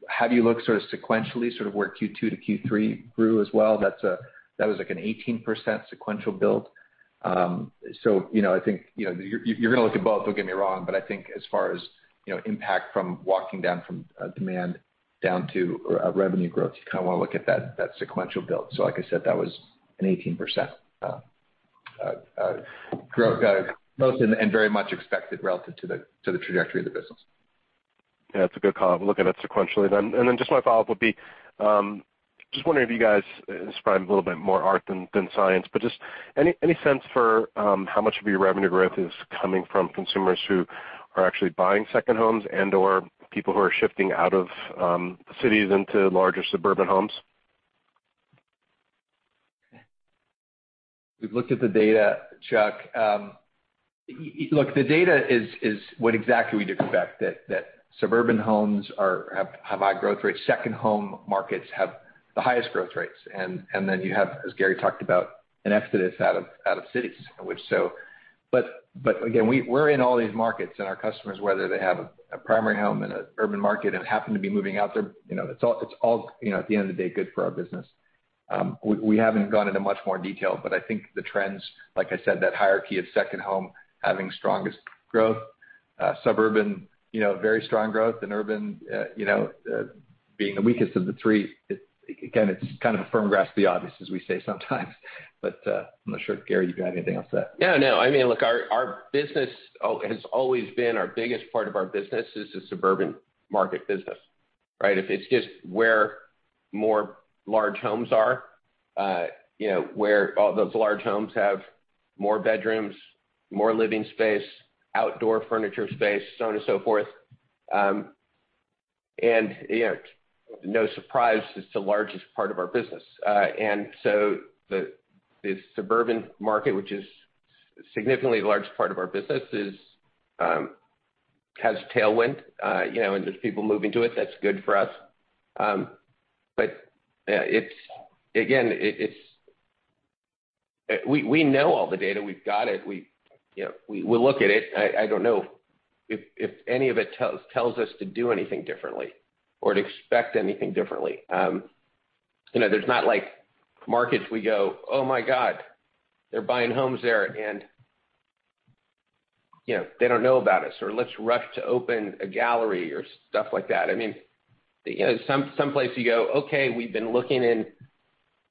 have you look sort of sequentially, sort of where Q2 to Q3 grew as well. That was like an 18% sequential build. I think you're going to look at both, don't get me wrong, but I think as far as impact from walking down from demand down to revenue growth, you kind of want to look at that sequential build. Like I said, that was an 18% growth, and very much expected relative to the trajectory of the business. Yeah, that's a good call. Look at it sequentially then. Just my follow-up would be, just wondering if you guys, it's probably a little bit more art than science, but just any sense for how much of your revenue growth is coming from consumers who are actually buying second homes and/or people who are shifting out of cities into larger suburban homes? We've looked at the data, Chuck. Look, the data is what exactly we'd expect, that suburban homes have high growth rates. Second home markets have the highest growth rates. Then you have, as Gary talked about, an exodus out of cities. Again, we're in all these markets, and our customers, whether they have a primary home in an urban market and happen to be moving out there, it's all, at the end of the day, good for our business. We haven't gone into much more detail, but I think the trends, like I said, that hierarchy of second home having strongest growth, suburban very strong growth, and urban being the weakest of the three. Again, it's kind of firm grasp of the obvious, as we say sometimes. I'm not sure if, Gary, you have anything else to that. No, no. Look, our business has always been our biggest part of our business is the suburban market business. Right? It's just where more large homes are, where those large homes have more bedrooms, more living space, outdoor furniture space, so on and so forth. No surprise, it's the largest part of our business. This suburban market, which is significantly the largest part of our business, has tailwind, and there's people moving to it. That's good for us. Again, We know all the data. We've got it. We look at it. I don't know if any of it tells us to do anything differently or to expect anything differently. There's not markets we go, "Oh my God, they're buying homes there, and they don't know about us," or, "Let's rush to open a gallery," or stuff like that. Some places you go, okay, we've been looking in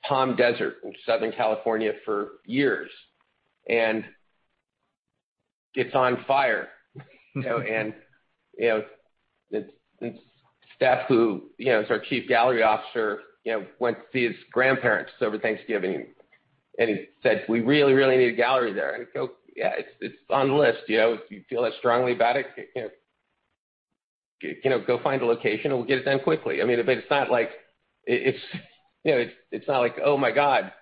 Palm Desert in Southern California for years, and it's on fire. It's Steph, who is our Chief Gallery Officer, went to see his grandparents over Thanksgiving, and he said, "We really, really need a gallery there." We go, "Yeah, it's on the list. If you feel that strongly about it, go find a location and we'll get it done quickly." It's not like, oh my God,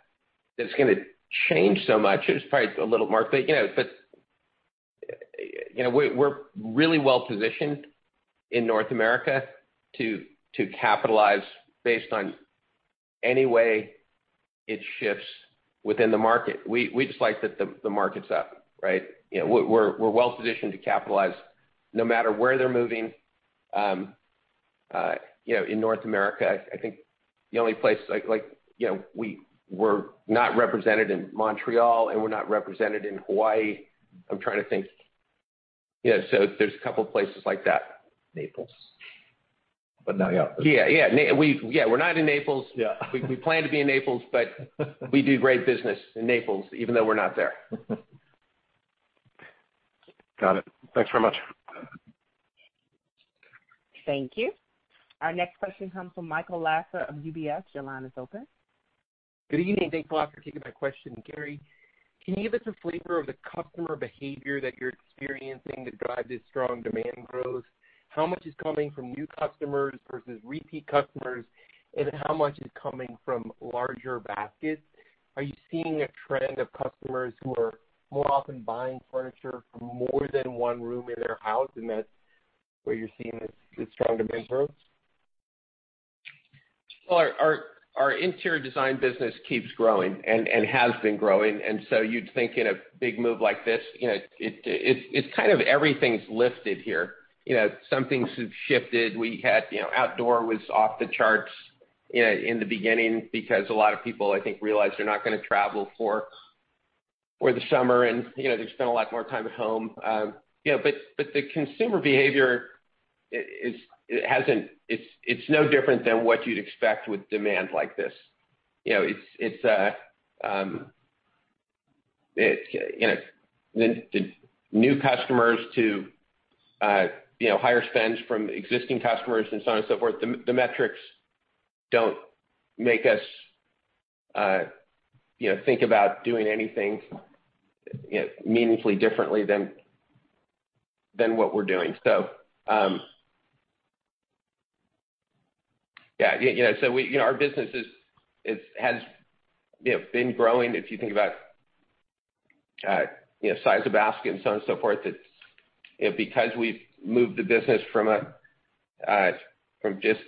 it's going to change so much. It was probably a little more, we're really well-positioned in North America to capitalize based on any way it shifts within the market. We just like that the market's up, right? We're well-positioned to capitalize no matter where they're moving. In North America, I think the only place, we're not represented in Montreal, and we're not represented in Hawaii. I'm trying to think. Yeah, there's a couple places like that. Naples. No, yeah. Yeah. We're not in Naples. Yeah. We plan to be in Naples, but we do great business in Naples even though we're not there. Got it. Thanks very much. Thank you. Our next question comes from Michael Lasser of UBS. Your line is open. Good evening. Thanks a lot for taking my question. Gary, can you give us a flavor of the customer behavior that you're experiencing that drives this strong demand growth? How much is coming from new customers versus repeat customers, and how much is coming from larger baskets? Are you seeing a trend of customers who are more often buying furniture for more than one room in their house, and that's where you're seeing this strong demand growth? Well, our interior design business keeps growing and has been growing, and so you'd think in a big move like this, it's kind of everything's lifted here. Some things have shifted. Outdoor was off the charts in the beginning because a lot of people, I think, realized they're not going to travel for the summer, and they're going to spend a lot more time at home. The consumer behavior, it's no different than what you'd expect with demand like this. The new customers to higher spends from existing customers and so on and so forth, the metrics don't make us think about doing anything meaningfully differently than what we're doing. Our business has been growing, if you think about size of basket and so on and so forth. It's because we've moved the business from just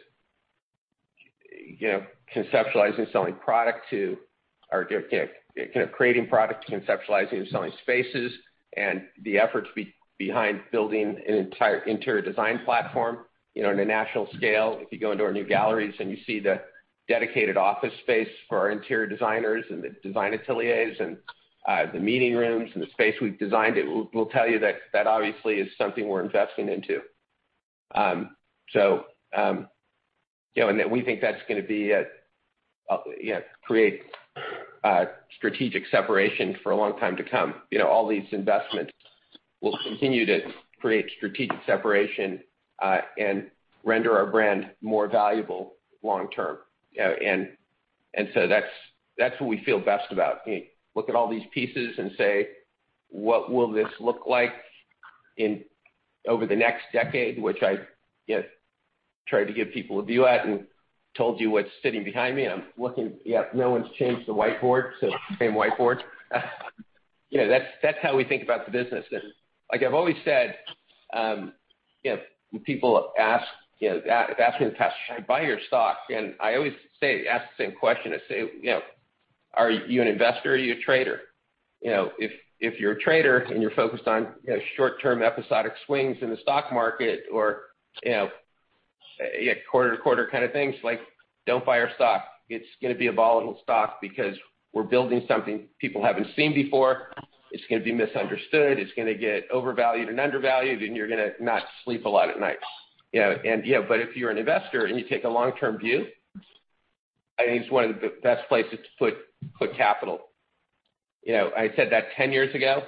creating product to conceptualizing and selling spaces and the efforts behind building an entire interior design platform on a national scale. If you go into our new galleries and you see the dedicated office space for our interior designers and the design ateliers and the meeting rooms and the space we've designed, it will tell you that obviously is something we're investing into. We think that's going to create strategic separation for a long time to come. All these investments will continue to create strategic separation and render our brand more valuable long term. That's what we feel best about. Look at all these pieces and say, "What will this look like over the next decade?" Which I tried to give people a view at and told you what's sitting behind me, and I'm looking. Yep, no one's changed the whiteboard, so same whiteboard. That's how we think about the business. Like I've always said, when people ask me the question, "Should I buy your stock?" I always ask the same question. I say, "Are you an investor or are you a trader?" If you're a trader and you're focused on short-term episodic swings in the stock market or quarter-to-quarter kind of things, don't buy our stock. It's going to be a volatile stock because we're building something people haven't seen before. It's going to be misunderstood. It's going to get overvalued and undervalued, and you're going to not sleep a lot at night. If you're an investor and you take a long-term view, I think it's one of the best places to put capital. I said that 10 years ago,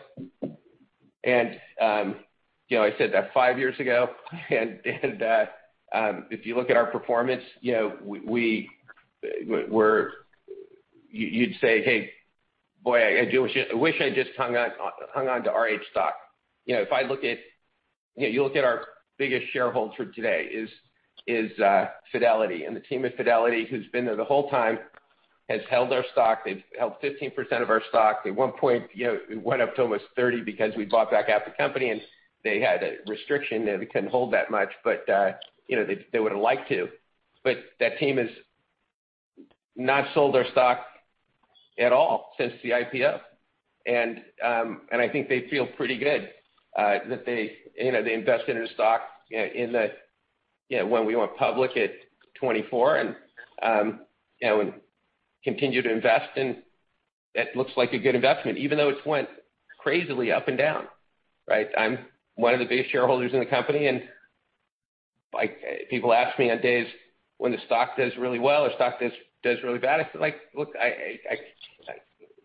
and I said that five years ago. If you look at our performance, you'd say, Hey, boy, I wish I'd just hung onto RH stock. If you look at our biggest shareholder today is Fidelity. The team at Fidelity who's been there the whole time has held our stock. They've held 15% of our stock. At one point, it went up to almost 30 because we bought back half the company, and they had a restriction. They couldn't hold that much, but they would've liked to. But that team has not sold their stock at all since the IPO. I think they feel pretty good that they invested in a stock when we went public at $24, and continue to invest, and it looks like a good investment, even though it's went crazily up and down. Right? I'm one of the biggest shareholders in the company, and people ask me on days when the stock does really well or stock does really bad, I say, "Look, I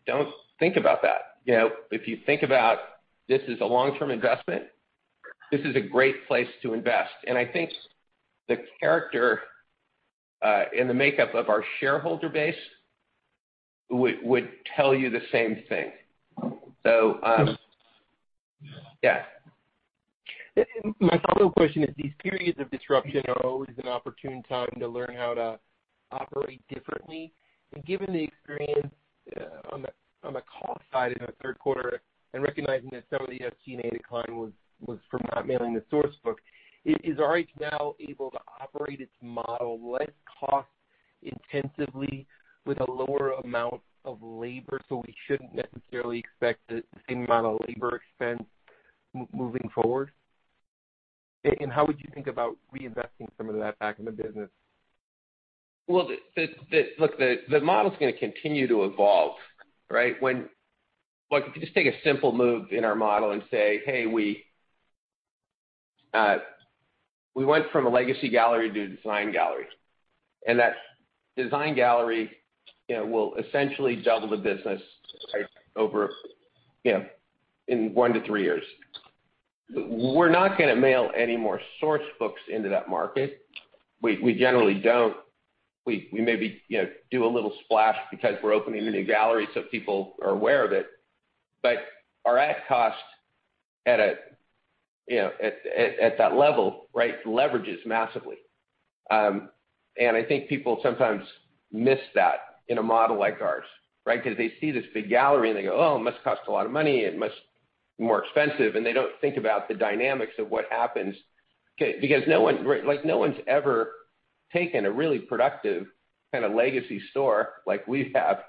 don't think about that." If you think about this as a long-term investment, this is a great place to invest. I think the character in the makeup of our shareholder base would tell you the same thing. Yeah. My follow-up question is, these periods of disruption are always an opportune time to learn how to operate differently. Given the experience on the cost side in our third quarter and recognizing that some of the SG&A decline was from not mailing the Sourcebook, is RH now able to operate its model less cost intensively with a lower amount of labor, so we shouldn't necessarily expect the same amount of labor expense moving forward? How would you think about reinvesting some of that back in the business? Well, look, the model's going to continue to evolve, right? Look, if you just take a simple move in our model and say, "Hey, we went from a legacy gallery to a design gallery," and that design gallery will essentially double the business over in one to three years. We're not going to mail any more Sourcebooks into that market. We generally don't. We maybe do a little splash because we're opening a new gallery, so people are aware of it. Our ad cost at that level leverages massively. I think people sometimes miss that in a model like ours. Because they see this big gallery and they go, "Oh, it must cost a lot of money, it must be more expensive," and they don't think about the dynamics of what happens. Because no one's ever taken a really productive kind of legacy store like we have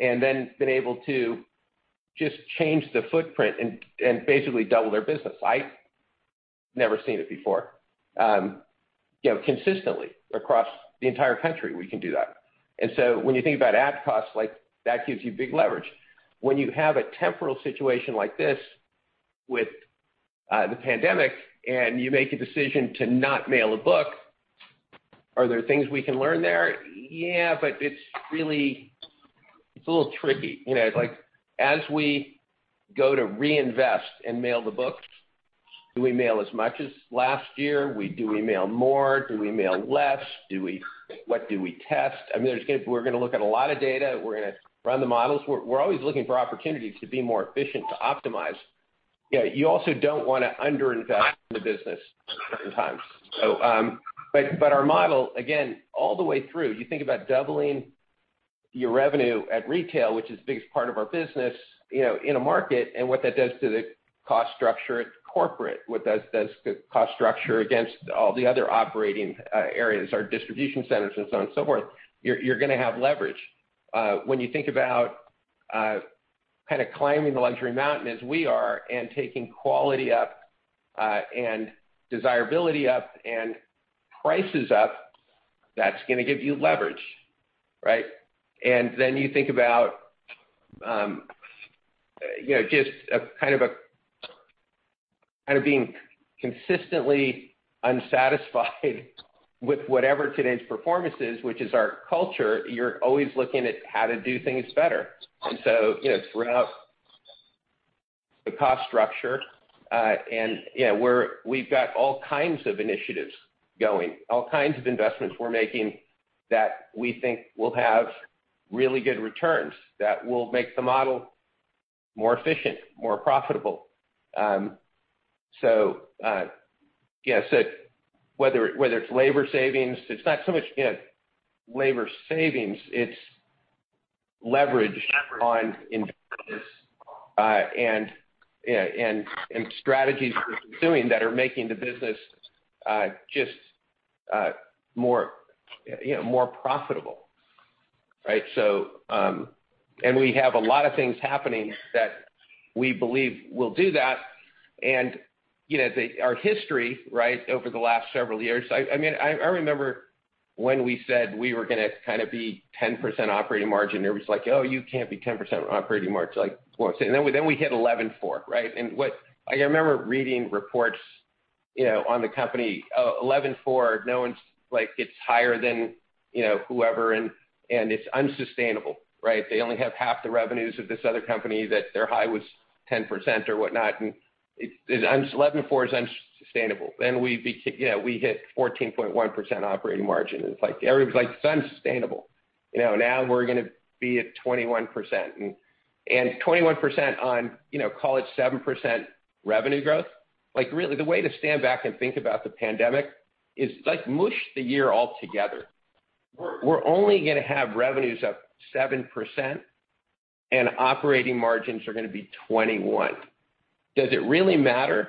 and then been able to just change the footprint and basically double their business. I've never seen it before. Consistently across the entire country, we can do that. When you think about ad costs, that gives you big leverage. When you have a temporal situation like this with the pandemic, and you make a decision to not mail a book, are there things we can learn there? Yeah, but it's a little tricky. As we go to reinvest and mail the books, do we mail as much as last year? Do we mail more? Do we mail less? What do we test? We're going to look at a lot of data. We're going to run the models. We're always looking for opportunities to be more efficient, to optimize. You also don't want to under-invest in the business certain times. Our model, again, all the way through, you think about doubling your revenue at retail, which is the biggest part of our business, in a market, and what that does to the cost structure at corporate, what that does to the cost structure against all the other operating areas, our distribution centers and so on and so forth. You're going to have leverage. When you think about kind of climbing the luxury mountain as we are and taking quality up, and desirability up, and prices up, that's going to give you leverage. Right? Then you think about just kind of being consistently unsatisfied with whatever today's performance is, which is our culture. You're always looking at how to do things better. Throughout the cost structure, we've got all kinds of initiatives going, all kinds of investments we're making that we think will have really good returns that will make the model more efficient, more profitable. Whether it's labor savings, it's not so much labor savings, it's leverage on investments, and strategies we're pursuing that are making the business just more profitable. Right? We have a lot of things happening that we believe will do that. Our history over the last several years, I remember when we said we were going to be 10% operating margin. Everybody's like, "Oh, you can't be 10% operating margin." We hit 11.4%, right? I remember reading reports on the company, "Oh, 11.4%, it's higher than whoever, and it's unsustainable. They only have half the revenues of this other company that their high was 10% or whatnot, and 11.4% is unsustainable. We hit 14.1% operating margin, and everybody's like, "It's unsustainable." Now we're going to be at 21%. 21% on call it 7% revenue growth. Really, the way to stand back and think about the pandemic is like mush the year all together. We're only going to have revenues up 7%, and operating margins are going to be 21%. Does it really matter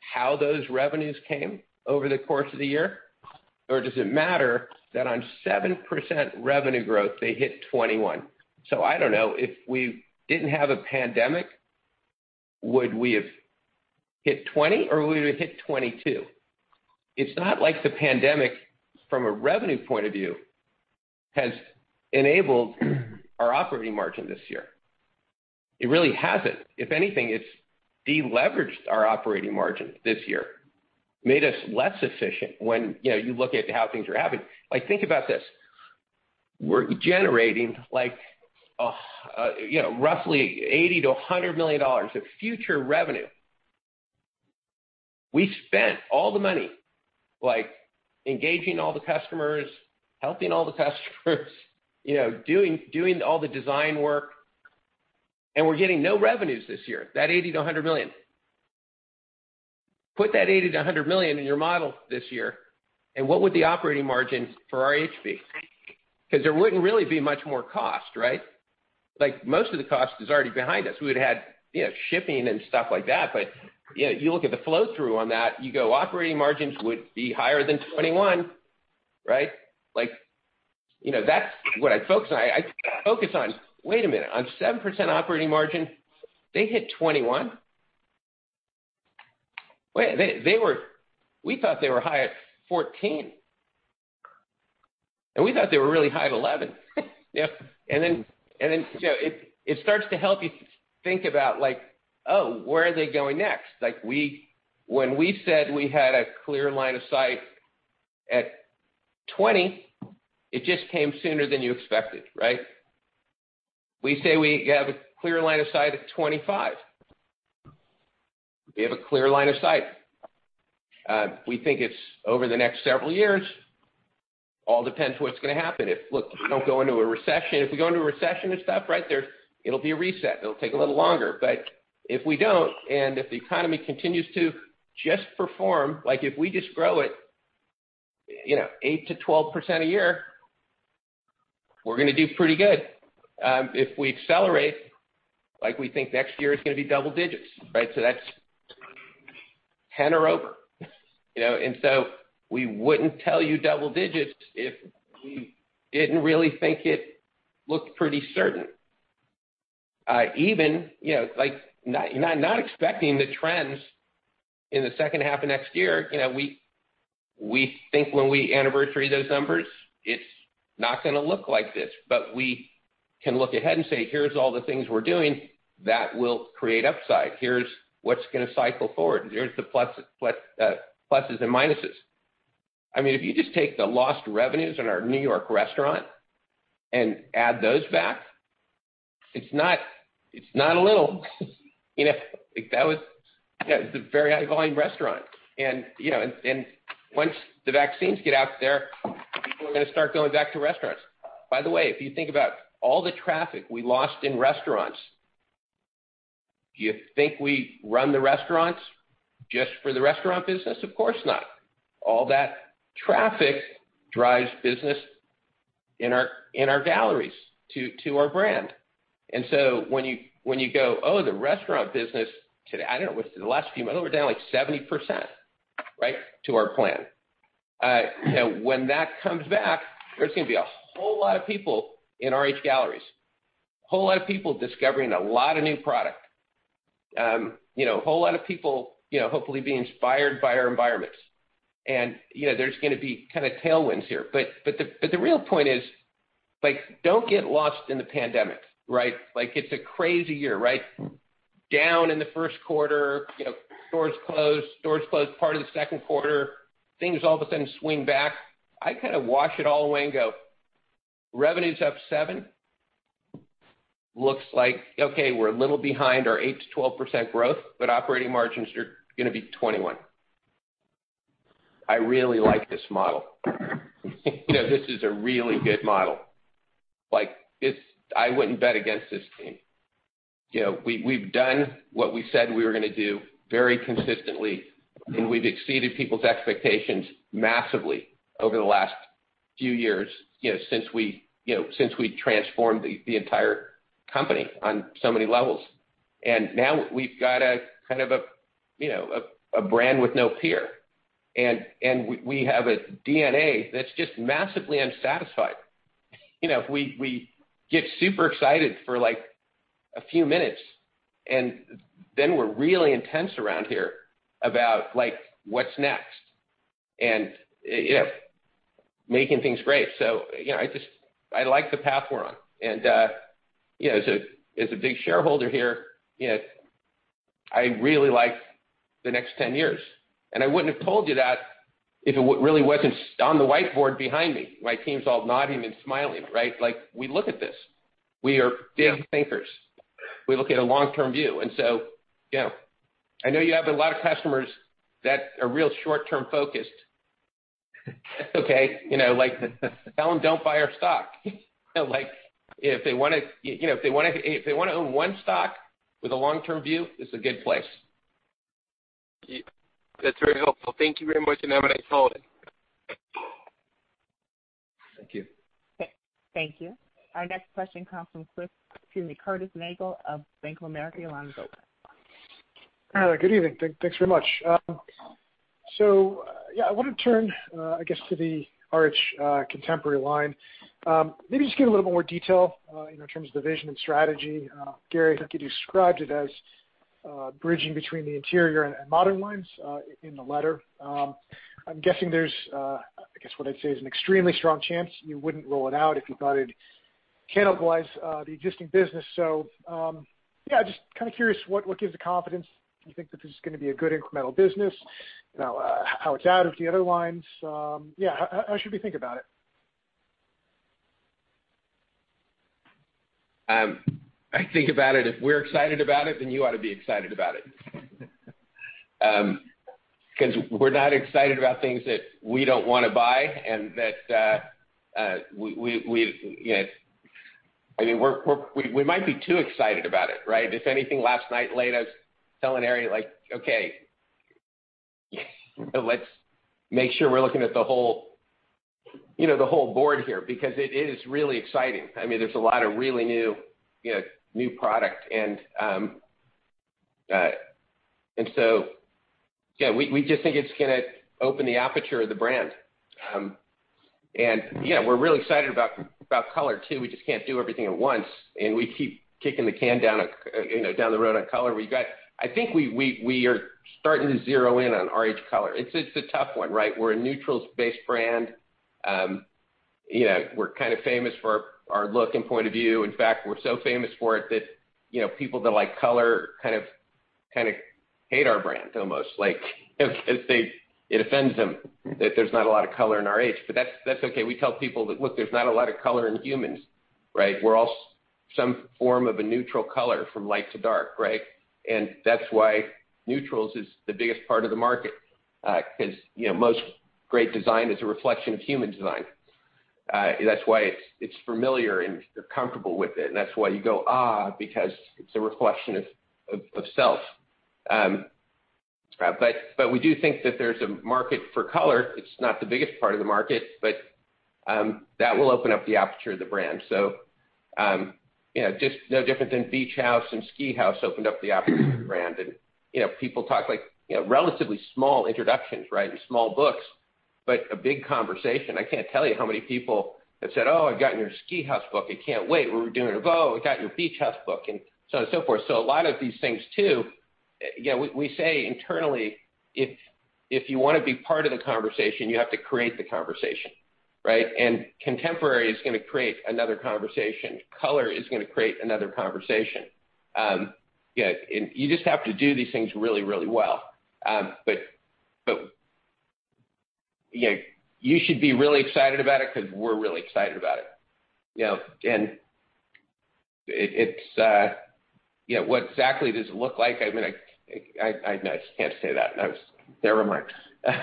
how those revenues came over the course of the year? Does it matter that on 7% revenue growth, they hit 21%? I don't know, if we didn't have a pandemic, would we have hit 20% or would we have hit 22%? It's not like the pandemic, from a revenue point of view, has enabled our operating margin this year. It really hasn't. If anything, it's de-leveraged our operating margin this year, made us less efficient when you look at how things are happening. Think about this. We're generating roughly $80 million-$100 million of future revenue. We spent all the money engaging all the customers, helping all the customers, doing all the design work, and we're getting no revenues this year. That $80 million-$100 million. Put that $80 million-$100 million in your model this year, and what would the operating margins for RH be? There wouldn't really be much more cost, right? Most of the cost is already behind us. We would've had shipping and stuff like that, but you look at the flow-through on that, you go operating margins would be higher than 21%, right? That's what I focus on. I focus on, wait a minute, on 7% operating margin, they hit 21? We thought they were high at 14%. We thought they were really high at 11%. It starts to help you think about, oh, where are they going next? When we said we had a clear line of sight at 20%, it just came sooner than you expected, right? We say we have a clear line of sight at 25%. We have a clear line of sight. We think it's over the next several years. All depends what's going to happen. Look, if we don't go into a recession. If we go into a recession and stuff, it'll be a reset. It'll take a little longer. If we don't, and if the economy continues to just perform, like if we just grow it 8%-12% a year, we're going to do pretty good. If we accelerate, we think next year is going to be double digits. That's 10% or over. We wouldn't tell you double digits if we didn't really think it looked pretty certain. Even not expecting the trends in the second half of next year, we think when we anniversary those numbers, it's not going to look like this. We can look ahead and say, "Here's all the things we're doing that will create upside. Here's what's going to cycle forward. Here's the pluses and minuses." If you just take the lost revenues in our New York restaurant and add those back, it's not little. That was a very high-volume restaurant. Once the vaccines get out there, people are going to start going back to restaurants. By the way, if you think about all the traffic we lost in restaurants, do you think we run the restaurants just for the restaurant business? Of course not. All that traffic drives business in our galleries, to our brand. When you go, oh, the restaurant business, I don't know, the last few months, we were down, like, 70% to our plan. When that comes back, there's going to be a whole lot of people in RH galleries. Whole lot of people discovering a lot of new product. Whole lot of people hopefully being inspired by our environments. There's going to be kind of tailwinds here. The real point is don't get lost in the pandemic. It's a crazy year. Down in the first quarter, stores closed part of the second quarter. Things all of a sudden swing back. I kind of wash it all away and go, revenue's up 7%. Looks like, okay, we're a little behind our 8%-12% growth, but operating margins are going to be 21%. I really like this model. This is a really good model. I wouldn't bet against this team. We've done what we said we were going to do very consistently, and we've exceeded people's expectations massively over the last few years since we transformed the entire company on so many levels. Now we've got a brand with no peer, and we have a DNA that's just massively unsatisfied. We get super excited for a few minutes, and then we're really intense around here about what's next and making things great. I like the path we're on. As a big shareholder here, I really like the next 10 years. I wouldn't have told you that if it really wasn't on the whiteboard behind me. My team's all nodding and smiling. We look at this. We are big thinkers. We look at a long-term view. I know you have a lot of customers that are real short-term focused. That's okay. Tell them don't buy our stock. If they want to own one stock with a long-term view, this is a good place. That's very helpful. Thank you very much, and have a nice holiday Thank you. Thank you. Our next question comes from Curtis Nagle of Bank of America. Your line's open. Good evening. Thanks very much. Yeah, I wanted to turn, I guess to the RH Contemporary line. Maybe just give a little more detail in terms of the vision and strategy. Gary, I think you described it as bridging between the Interiors and Modern lines in the letter. I'm guessing there's an extremely strong chance you wouldn't rule it out if you thought it cannibalized the existing business. Yeah, just kind of curious what gives the confidence you think that this is going to be a good incremental business, how it's out of the other lines. Yeah, how should we think about it? I think about it, if we're excited about it, then you ought to be excited about it. We're not excited about things that we don't want to buy and that we, I mean, we might be too excited about it, right? If anything, last night late, I was telling Eri, like, "Okay, let's make sure we're looking at the whole board here," because it is really exciting. There's a lot of really new product. Yeah, we just think it's going to open the aperture of the brand. Yeah, we're really excited about Color, too. We just can't do everything at once, and we keep kicking the can down the road on Color. I think we are starting to zero in on RH Color. It's a tough one, right? We're a neutrals-based brand. We're kind of famous for our look and point of view. In fact, we're so famous for it that people that like color kind of hate our brand, almost. It offends them that there's not a lot of color in RH. That's okay. We tell people that, "Look, there's not a lot of color in humans, right? We're all some form of a neutral color from light to dark, right?" That's why neutrals is the biggest part of the market. Because most great design is a reflection of human design. That's why it's familiar and you're comfortable with it. That's why you go, because it's a reflection of self. We do think that there's a market for color. It's not the biggest part of the market, but that will open up the aperture of the brand. Just no different than Beach House and Ski House opened up the aperture of the brand. People talk like, relatively small introductions, right? Small books, a big conversation. I can't tell you how many people have said, "Oh, I've gotten your RH Ski House book. I can't wait. When are we doing a boat? I've got your RH Beach House book." So on and so forth. A lot of these things, too, we say internally, if you want to be part of the conversation, you have to create the conversation, right? RH Contemporary is going to create another conversation. RH Color is going to create another conversation. You just have to do these things really, really well. You should be really excited about it because we're really excited about it. What exactly does it look like? I mean, I just can't say that. That was their remarks. Yeah,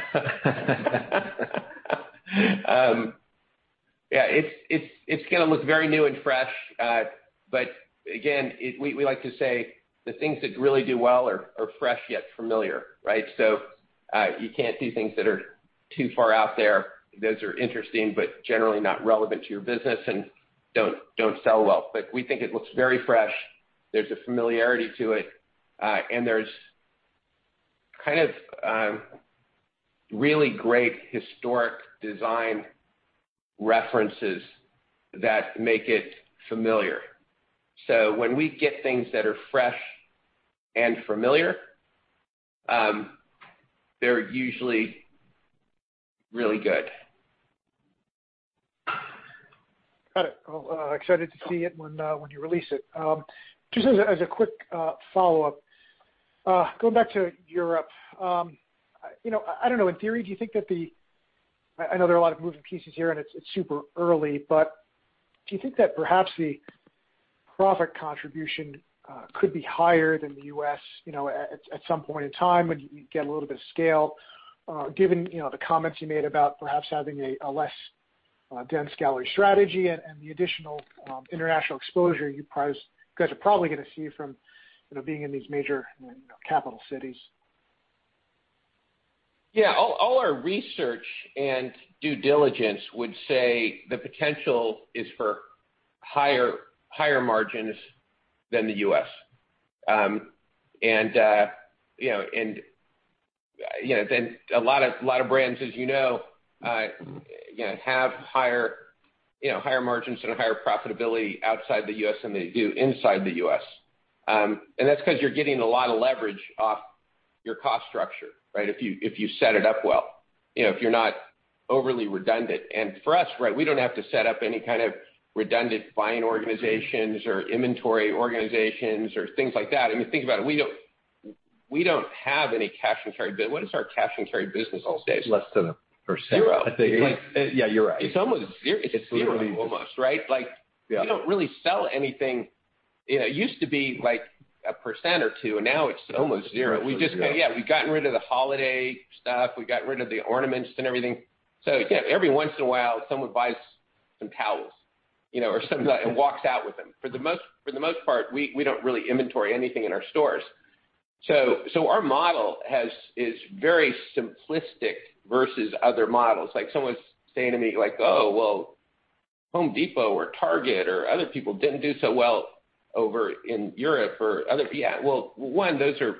it's going to look very new and fresh. Again, we like to say the things that really do well are fresh, yet familiar, right? You can't do things that are too far out there. Those are interesting, but generally not relevant to your business and don't sell well. We think it looks very fresh. There's a familiarity to it, and there's kind of really great historic design references that make it familiar. When we get things that are fresh and familiar, they're usually really good. Got it. Well, excited to see it when you release it. Just as a quick follow-up, going back to Europe. I don't know, in theory, I know there are a lot of moving pieces here and it's super early, but do you think that perhaps the profit contribution could be higher than the U.S. at some point in time when you get a little bit of scale? Given the comments you made about perhaps having a less dense gallery strategy and the additional international exposure you guys are probably going to see from being in these major capital cities. Yeah. All our research and due diligence would say the potential is for higher margins than the U.S. A lot of brands, as you know, have higher margins and higher profitability outside the U.S. than they do inside the U.S. That's because you're getting a lot of leverage off your cost structure, right? If you set it up well. If you're not overly redundant. For us, right, we don't have to set up any kind of redundant buying organizations or inventory organizations or things like that. I mean, think about it, we don't have any cash and carry. What is our cash and carry business these days? Less than 1%. Zero. I think. Yeah, you're right. It's almost zero. It's zero. Almost, right? Yeah we don't really sell anything. It used to be like 1% or 2%, and now it's almost zero. It's almost zero. Yeah, we've gotten rid of the holiday stuff. We got rid of the ornaments and everything. Yeah, every once in a while, someone buys some towels or something and walks out with them. For the most part, we don't really inventory anything in our stores. Our model is very simplistic versus other models. Someone's saying to me, "Oh, well, Home Depot or Target or other people didn't do so well over in Europe or other" Yeah. Well, one, those are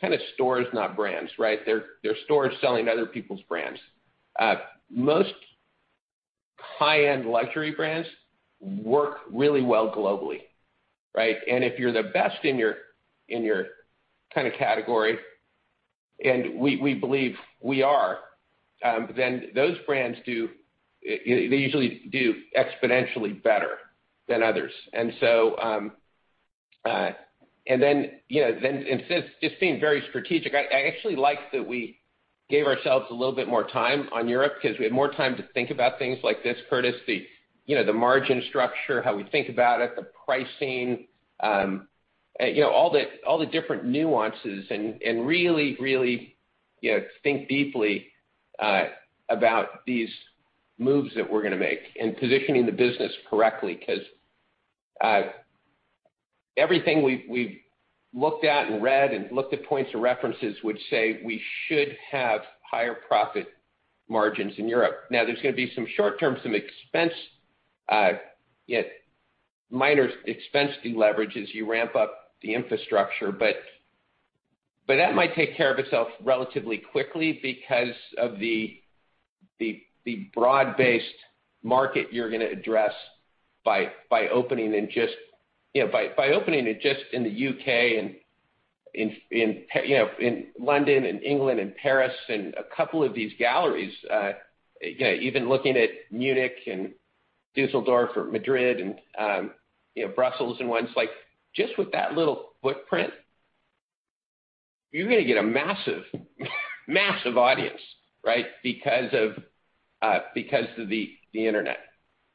kind of stores, not brands, right? They're stores selling other people's brands. Most high-end luxury brands work really well globally, right? If you're the best in your kind of category, and we believe we are, then those brands, they usually do exponentially better than others. Just being very strategic, I actually liked that we gave ourselves a little bit more time on Europe because we had more time to think about things like this, Curtis, the margin structure, how we think about it, the pricing. All the different nuances and really think deeply about these moves that we're going to make and positioning the business correctly. Everything we've looked at and read and looked at points of references would say we should have higher profit margins in Europe. Now, there's going to be some short-term, some minor expense deleverage as you ramp up the infrastructure. That might take care of itself relatively quickly because of the broad-based market you're going to address by opening it just in the U.K. and in London and England and Paris and a couple of these galleries. Even looking at Munich and Düsseldorf or Madrid and Brussels. Just with that little footprint, you're going to get a massive audience, right? Of the internet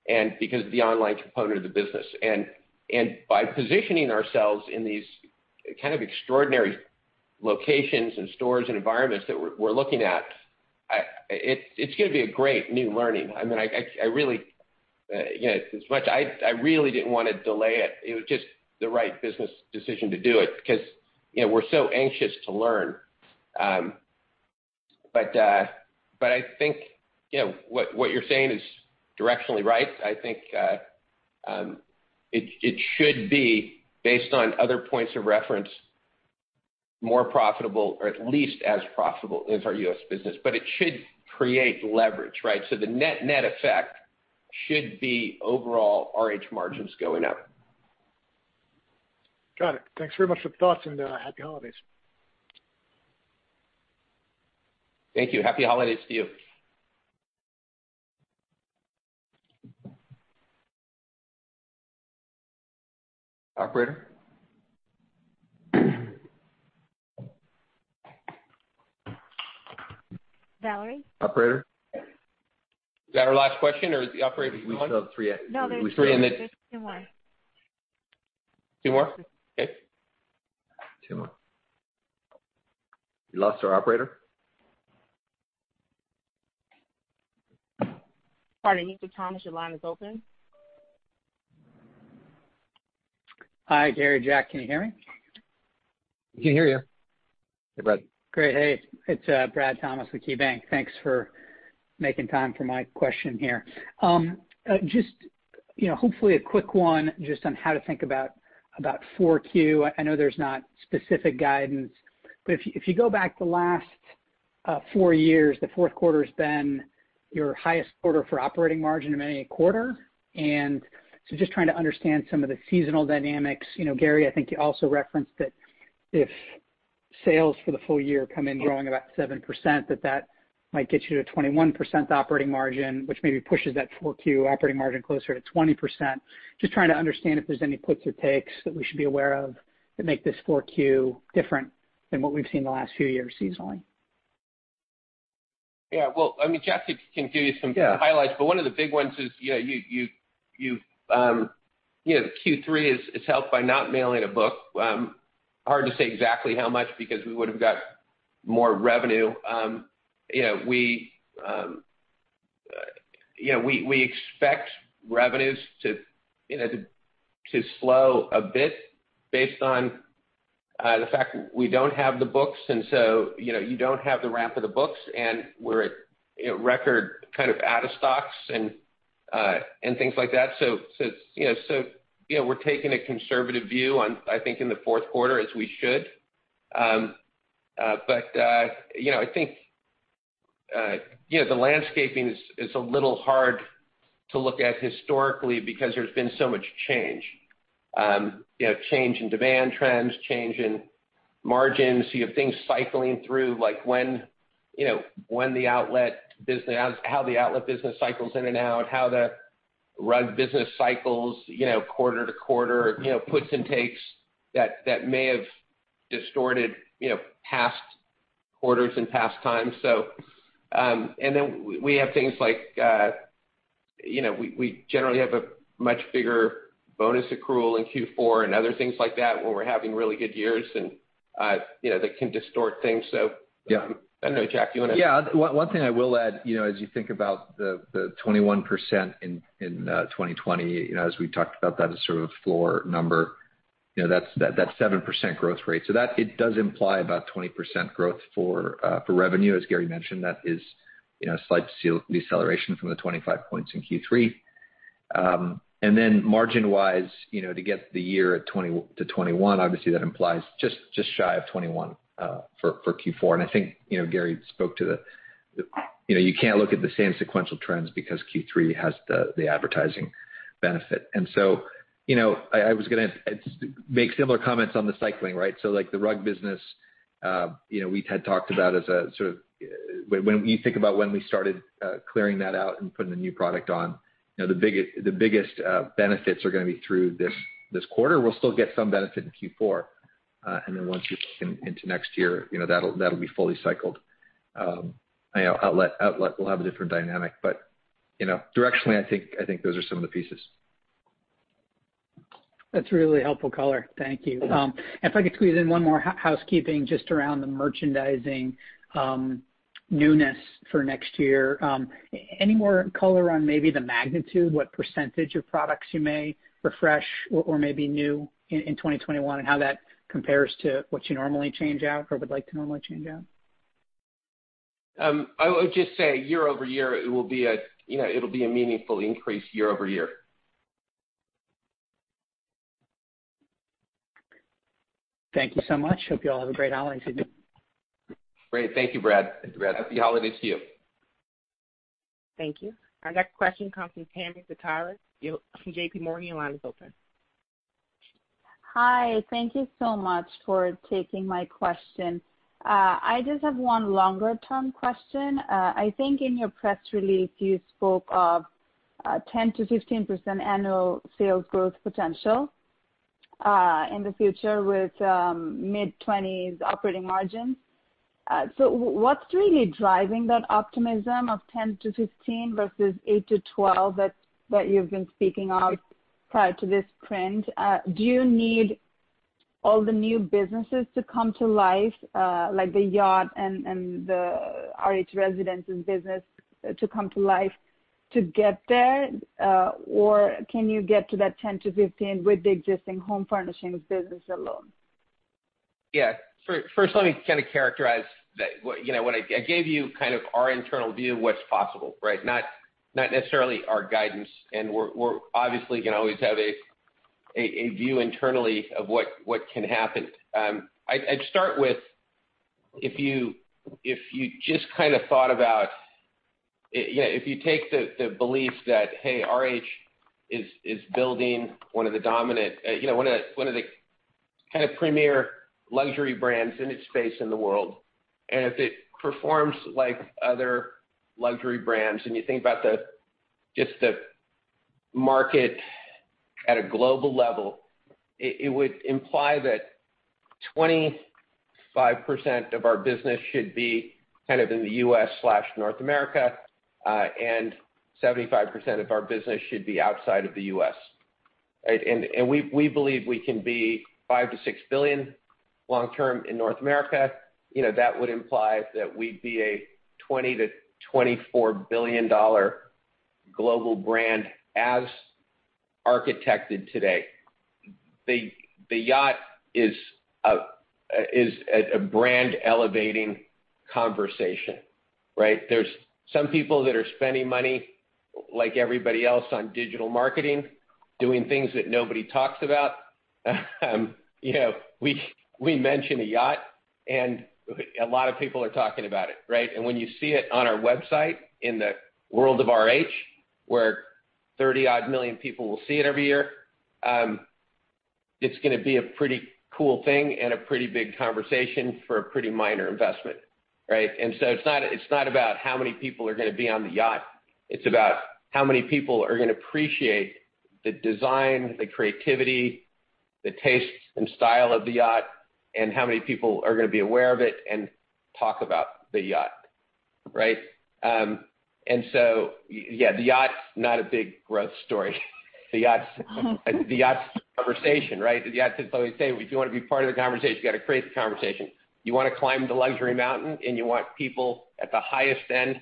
and because of the online component of the business. By positioning ourselves in these kind of extraordinary locations and stores and environments that we're looking at, it's going to be a great new learning. I really didn't want to delay it. It was just the right business decision to do it because we're so anxious to learn. I think what you're saying is directionally right. I think it should be based on other points of reference, more profitable, or at least as profitable as our U.S. business. It should create leverage, right? The net-net effect should be overall RH margins going up. Got it. Thanks very much for the thoughts, and happy holidays. Thank you. Happy holidays to you. Operator? Valerie? Operator? Is that our last question, or is the Operator gone? We still have three- No, there's just two more. Two more? Okay. Two more. We lost our operator. Pardon, Mr. Thomas, your line is open. Hi, Gary, Jack, can you hear me? We can hear you. Hey, Brad. Great. Hey, it's Brad Thomas with KeyBanc Capital Markets. Thanks for making time for my question here. Just hopefully a quick one just on how to think about 4Q. I know there's not specific guidance. If you go back the last four years, the fourth quarter's been your highest quarter for operating margin in any quarter. Just trying to understand some of the seasonal dynamics. Gary, I think you also referenced that if sales for the full year come in growing about 7%, that that might get you to 21% operating margin, which maybe pushes that 4Q operating margin closer to 20%. Just trying to understand if there's any puts or takes that we should be aware of that make this 4Q different than what we've seen the last few years seasonally. Yeah. Well, Jack can give you some highlights. One of the big ones is the Q3 is helped by not mailing a book. Hard to say exactly how much, because we would have got more revenue. We expect revenues to slow a bit based on the fact we don't have the books, and so you don't have the ramp of the books, and we're at record kind of out of stocks and things like that. We're taking a conservative view, I think, in the fourth quarter, as we should. I think the landscaping is a little hard to look at historically because there's been so much change. Change in demand trends, change in margins. You have things cycling through, like how the outlet business cycles in and out, how the rug business cycles quarter to quarter. Puts and takes that may have distorted past quarters and past times. We have things like we generally have a much bigger bonus accrual in Q4 and other things like that when we're having really good years, and that can distort things. I know, Jack, you want to- Yeah. One thing I will add, as you think about the 21% in 2020, as we talked about that as sort of a floor number. That's 7% growth rate. That it does imply about 20% growth for revenue, as Gary mentioned. That is a slight deceleration from the 25 points in Q3. Then margin wise, to get the year at 2020 to 2021, obviously that implies just shy of 2021 for Q4. I think, Gary spoke to the. You can't look at the same sequential trends because Q3 has the advertising benefit. I was going to make similar comments on the cycling, right? Like the rug business, we had talked about as a sort of. When you think about when we started clearing that out and putting the new product on, the biggest benefits are going to be through this quarter. We'll still get some benefit in Q4. Once you get into next year, that'll be fully cycled. I know outlet will have a different dynamic, but directionally, I think those are some of the pieces. That's really helpful color. Thank you. If I could squeeze in one more housekeeping just around the merchandising newness for next year. Any more color on maybe the magnitude, what percentage of products you may refresh or may be new in 2021, and how that compares to what you normally change out or would like to normally change out? I would just say year-over-year, it'll be a meaningful increase year-over-year. Thank you so much. Hope you all have a great holiday season. Great. Thank you, Brad. Happy holidays to you. Thank you. Our next question comes from Tami Zakaria from JPMorgan. Your line is open. Hi. Thank you so much for taking my question. I just have one longer term question. I think in your press release, you spoke of 10%-15% annual sales growth potential, in the future with mid-20s operating margin. What's really driving that optimism of 10%-15% versus 8%-12% that you've been speaking of prior to this trend? Do you need all the new businesses to come to life, like the yacht and the RH Residences business to come to life to get there? Or can you get to that 10%-15% with the existing home furnishings business alone? Yeah. First, let me kind of characterize that. I gave you kind of our internal view of what's possible, right? Not necessarily our guidance, and we're obviously going to always have a view internally of what can happen. I'd start with If you take the belief that, hey, RH is building one of the kind of premier luxury brands in its space in the world, and if it performs like other luxury brands, and you think about just the market at a global level, it would imply that 25% of our business should be kind of in the U.S./North America, and 75% of our business should be outside of the U.S. Right? We believe we can be $5 billion-$6 billion long-term in North America. That would imply that we'd be a $20 billion-$24 billion global brand as architected today. The yacht is a brand-elevating conversation, right? There's some people that are spending money like everybody else on digital marketing, doing things that nobody talks about. We mention a yacht and a lot of what people are talking about it, right? When you see it on our website in the world of RH, where 30-odd million people will see it every year, it's going to be a pretty cool thing and a pretty big conversation for a pretty minor investment, right? It's not about how many people are going to be on the yacht. It's about how many people are going to appreciate the design, the creativity, the taste and style of the yacht, and how many people are going to be aware of it and talk about the yacht, right? Yeah, the yacht's not a big growth story. The yacht's a conversation, right? The yacht's always saying, if you want to be part of the conversation, you got to create the conversation. You want to climb the luxury mountain, you want people at the highest end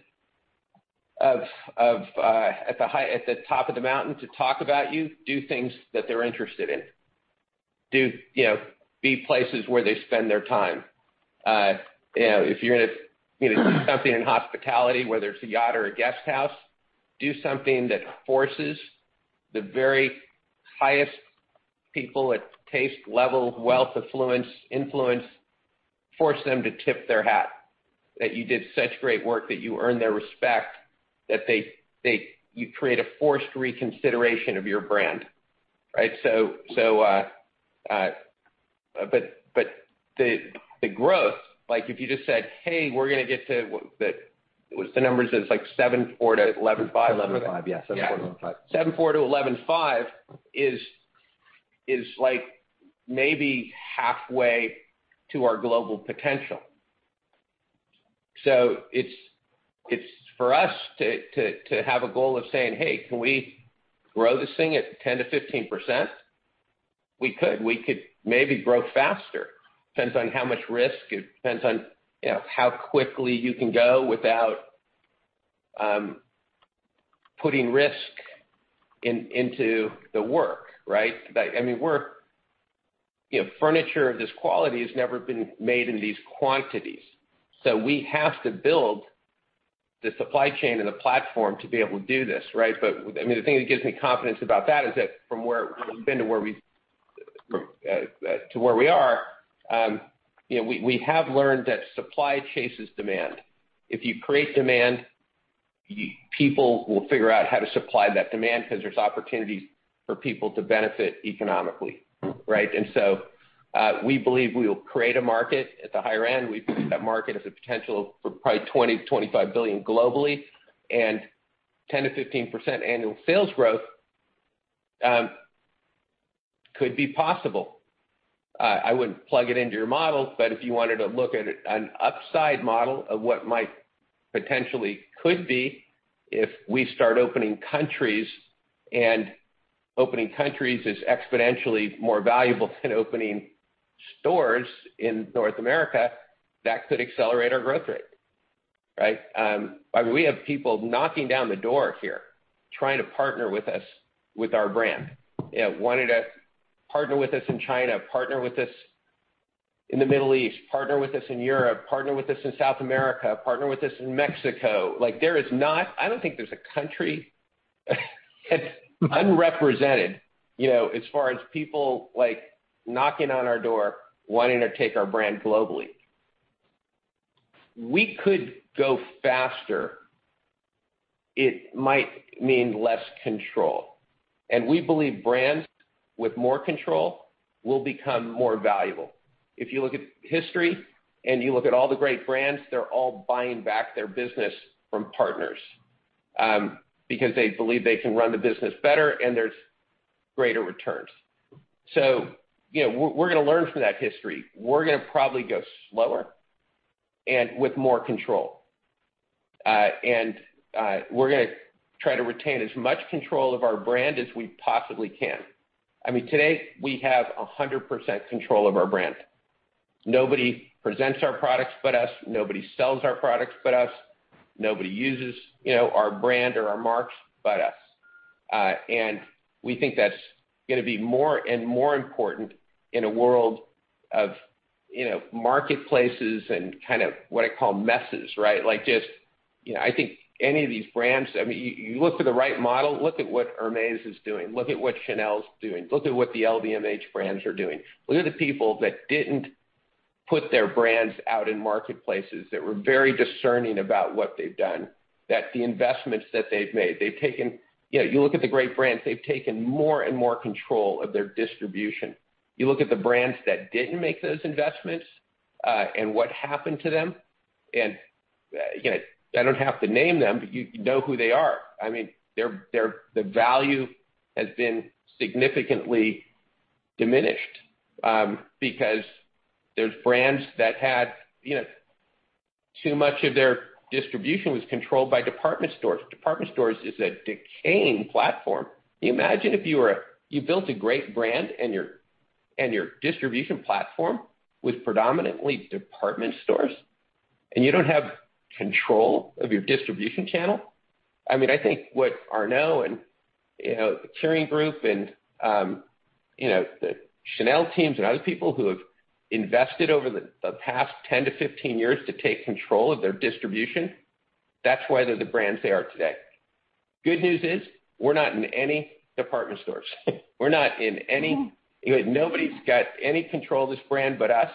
of at the top of the mountain to talk about you, do things that they're interested in. Be places where they spend their time. If you're going to do something in hospitality, whether it's a yacht or a Guesthouse, do something that forces the very highest people at taste level, wealth, affluence, influence, force them to tip their hat. That you did such great work that you earned their respect, that you create a forced reconsideration of your brand, right? The growth, like if you just said, "Hey, we're going to get to" What's the numbers? It's like $7.4 billion-$11.5 billion. $11.5 billion, yes. $7.4 billion-$11.5 billion. Yeah. $7.4 billion-$11.5 billion is maybe halfway to our global potential. For us to have a goal of saying, "Hey, can we grow this thing at 10% to 15%?" We could. We could maybe grow faster. Depends on how much risk. It depends on how quickly you can go without Putting risk into the work, right? Furniture of this quality has never been made in these quantities, so we have to build the supply chain and the platform to be able to do this, right? The thing that gives me confidence about that is that from where we've been to where we are, we have learned that supply chases demand. If you create demand, people will figure out how to supply that demand because there's opportunities for people to benefit economically, right? We believe we will create a market at the higher end. We believe that market has a potential for probably $20 billion-$25 billion globally, and 10%-15% annual sales growth could be possible. I wouldn't plug it into your model, but if you wanted to look at an upside model of what might potentially could be if we start opening countries, and opening countries is exponentially more valuable than opening stores in North America, that could accelerate our growth rate, right? We have people knocking down the door here trying to partner with us with our brand. Wanted to partner with us in China, partner with us in the Middle East, partner with us in Europe, partner with us in South America, partner with us in Mexico. I don't think there's a country that's unrepresented as far as people knocking on our door wanting to take our brand globally. We could go faster. It might mean less control, and we believe brands with more control will become more valuable. If you look at history and you look at all the great brands, they're all buying back their business from partners, because they believe they can run the business better and there's greater returns. We're going to learn from that history. We're going to probably go slower and with more control. We're going to try to retain as much control of our brand as we possibly can. Today, we have 100% control of our brand. Nobody presents our products but us, nobody sells our products but us, nobody uses our brand or our marks but us. We think that's going to be more and more important in a world of marketplaces and what I call messes, right? You look for the right model, look at what Hermès is doing, look at what Chanel's doing, look at what the LVMH brands are doing. Look at the people that didn't put their brands out in marketplaces, that were very discerning about what they've done, that the investments that they've made. You look at the great brands, they've taken more and more control of their distribution. You look at the brands that didn't make those investments, and what happened to them, and I don't have to name them, but you know who they are. The value has been significantly diminished, because there's brands that had too much of their distribution was controlled by department stores. Department stores is a decaying platform. Can you imagine if you built a great brand and your distribution platform was predominantly department stores, and you don't have control of your distribution channel? I think what Arnault and the Kering Group and the Chanel teams and other people who have invested over the past 10-15 years to take control of their distribution, that's why they're the brands they are today. Good news is we're not in any department stores. Nobody's got any control of this brand but us,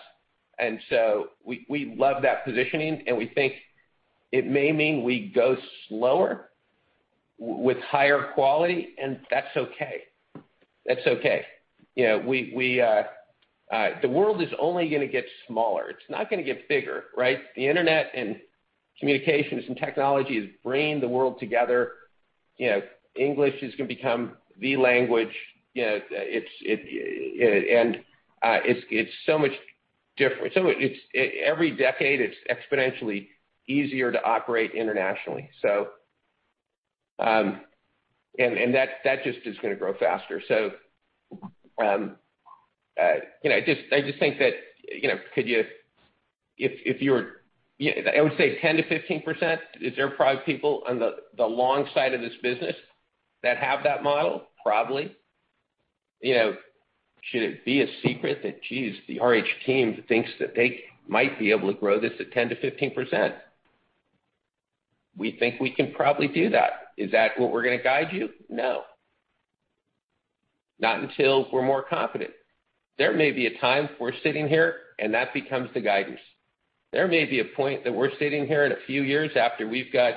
and so we love that positioning, and we think it may mean we go slower with higher quality, and that's okay. The world is only going to get smaller. It's not going to get bigger, right? The internet and communications and technology is bringing the world together. English is going to become the language. Every decade, it's exponentially easier to operate internationally. That just is going to grow faster. I would say 10%-15%, is there probably people on the long side of this business that have that model? Probably. Should it be a secret that, geez, the RH team thinks that they might be able to grow this at 10%-15%? We think we can probably do that. Is that what we're going to guide you? No. Not until we're more confident. There may be a time we're sitting here and that becomes the guidance. There may be a point that we're sitting here in a few years after we've got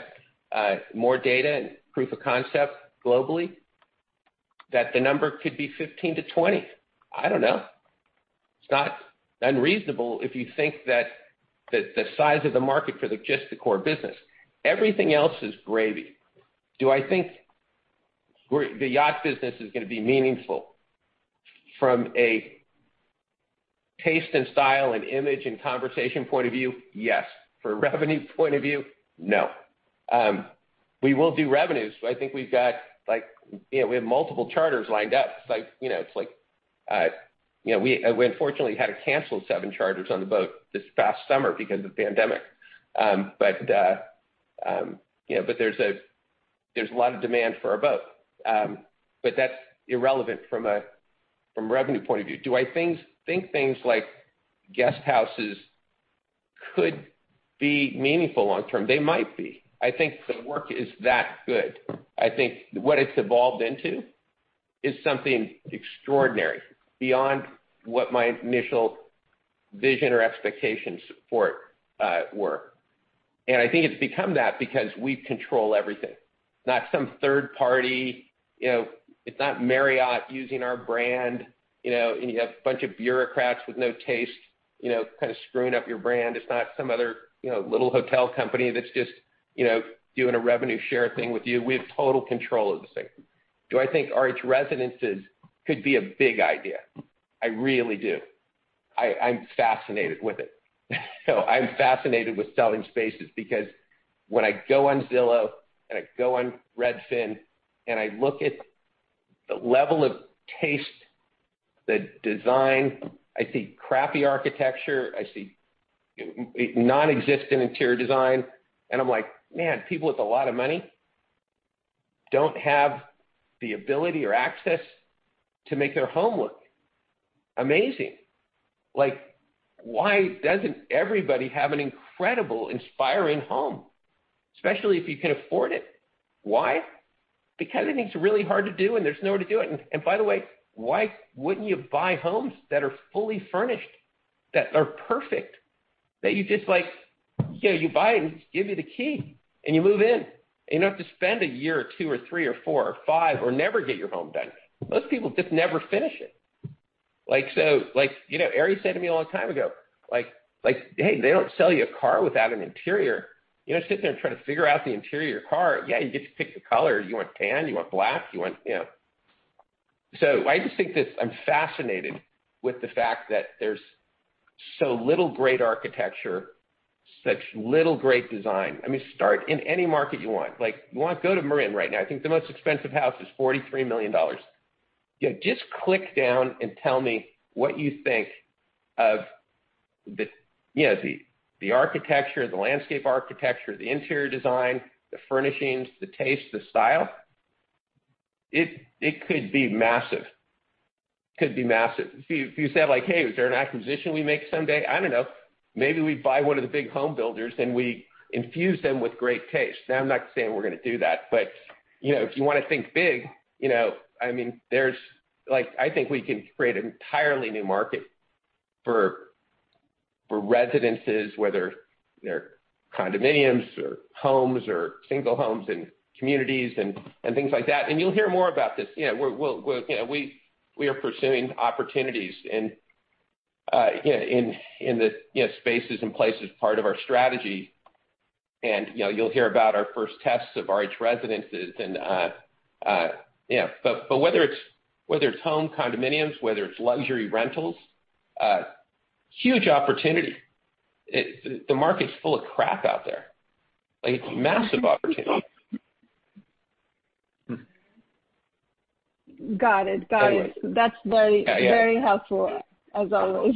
more data and proof of concept globally, that the number could be 15%-20%. I don't know. It's not unreasonable if you think that the size of the market for just the core business. Everything else is gravy. Do I think the yacht business is going to be meaningful from a taste and style and image and conversation point of view? Yes. For a revenue point of view? No. We will do revenues. We have multiple charters lined up. We unfortunately had to cancel seven charters on the boat this past summer because of the pandemic. There's a lot of demand for our boat. That's irrelevant from revenue point of view. Do I think things like Guesthouses could be meaningful long term? They might be. I think the work is that good. I think what it's evolved into is something extraordinary beyond what my initial vision or expectations for it were. I think it's become that because we control everything, not some third party, it's not Marriott using our brand, and you have a bunch of bureaucrats with no taste kind of screwing up your brand. It's not some other little hotel company that's just doing a revenue share thing with you. We have total control of this thing. Do I think RH Residences could be a big idea? I really do. I'm fascinated with it. I'm fascinated with selling spaces because when I go on Zillow, and I go on Redfin, and I look at the level of taste, the design, I see crappy architecture. I see non-existent interior design, and I'm like, "Man, people with a lot of money don't have the ability or access to make their home look amazing." Why doesn't everybody have an incredible, inspiring home, especially if you can afford it? Why? Because I think it's really hard to do, and there's nowhere to do it. By the way, why wouldn't you buy homes that are fully furnished, that are perfect? You just buy it, and they just give you the key, and you move in, and you don't have to spend a year or two or three or four or five or never get your home done. Most people just never finish it. Eri said to me a long time ago, "Hey, they don't sell you a car without an interior." You don't sit there and try to figure out the interior of your car. Yeah, you get to pick the color. You want tan, you want black. I just think this, I'm fascinated with the fact that there's so little great architecture, such little great design. Start in any market you want. Go to Marin right now. I think the most expensive house is $43 million. Just click down and tell me what you think of the architecture, the landscape architecture, the interior design, the furnishings, the taste, the style. It could be massive. If you said, "Hey, is there an acquisition we make someday?" I don't know. Maybe we buy one of the big home builders, and we infuse them with great taste. Now, I'm not saying we're going to do that, but if you want to think big, I think we can create an entirely new market for residences, whether they're condominiums or homes or single homes in communities and things like that. You'll hear more about this. We are pursuing opportunities in the spaces and places part of our strategy, and you'll hear about our first tests of RH Residences. Whether it's home condominiums, whether it's luxury rentals, huge opportunity. The market's full of crap out there. It's a massive opportunity. Got it. Anyway. That's very helpful, as always.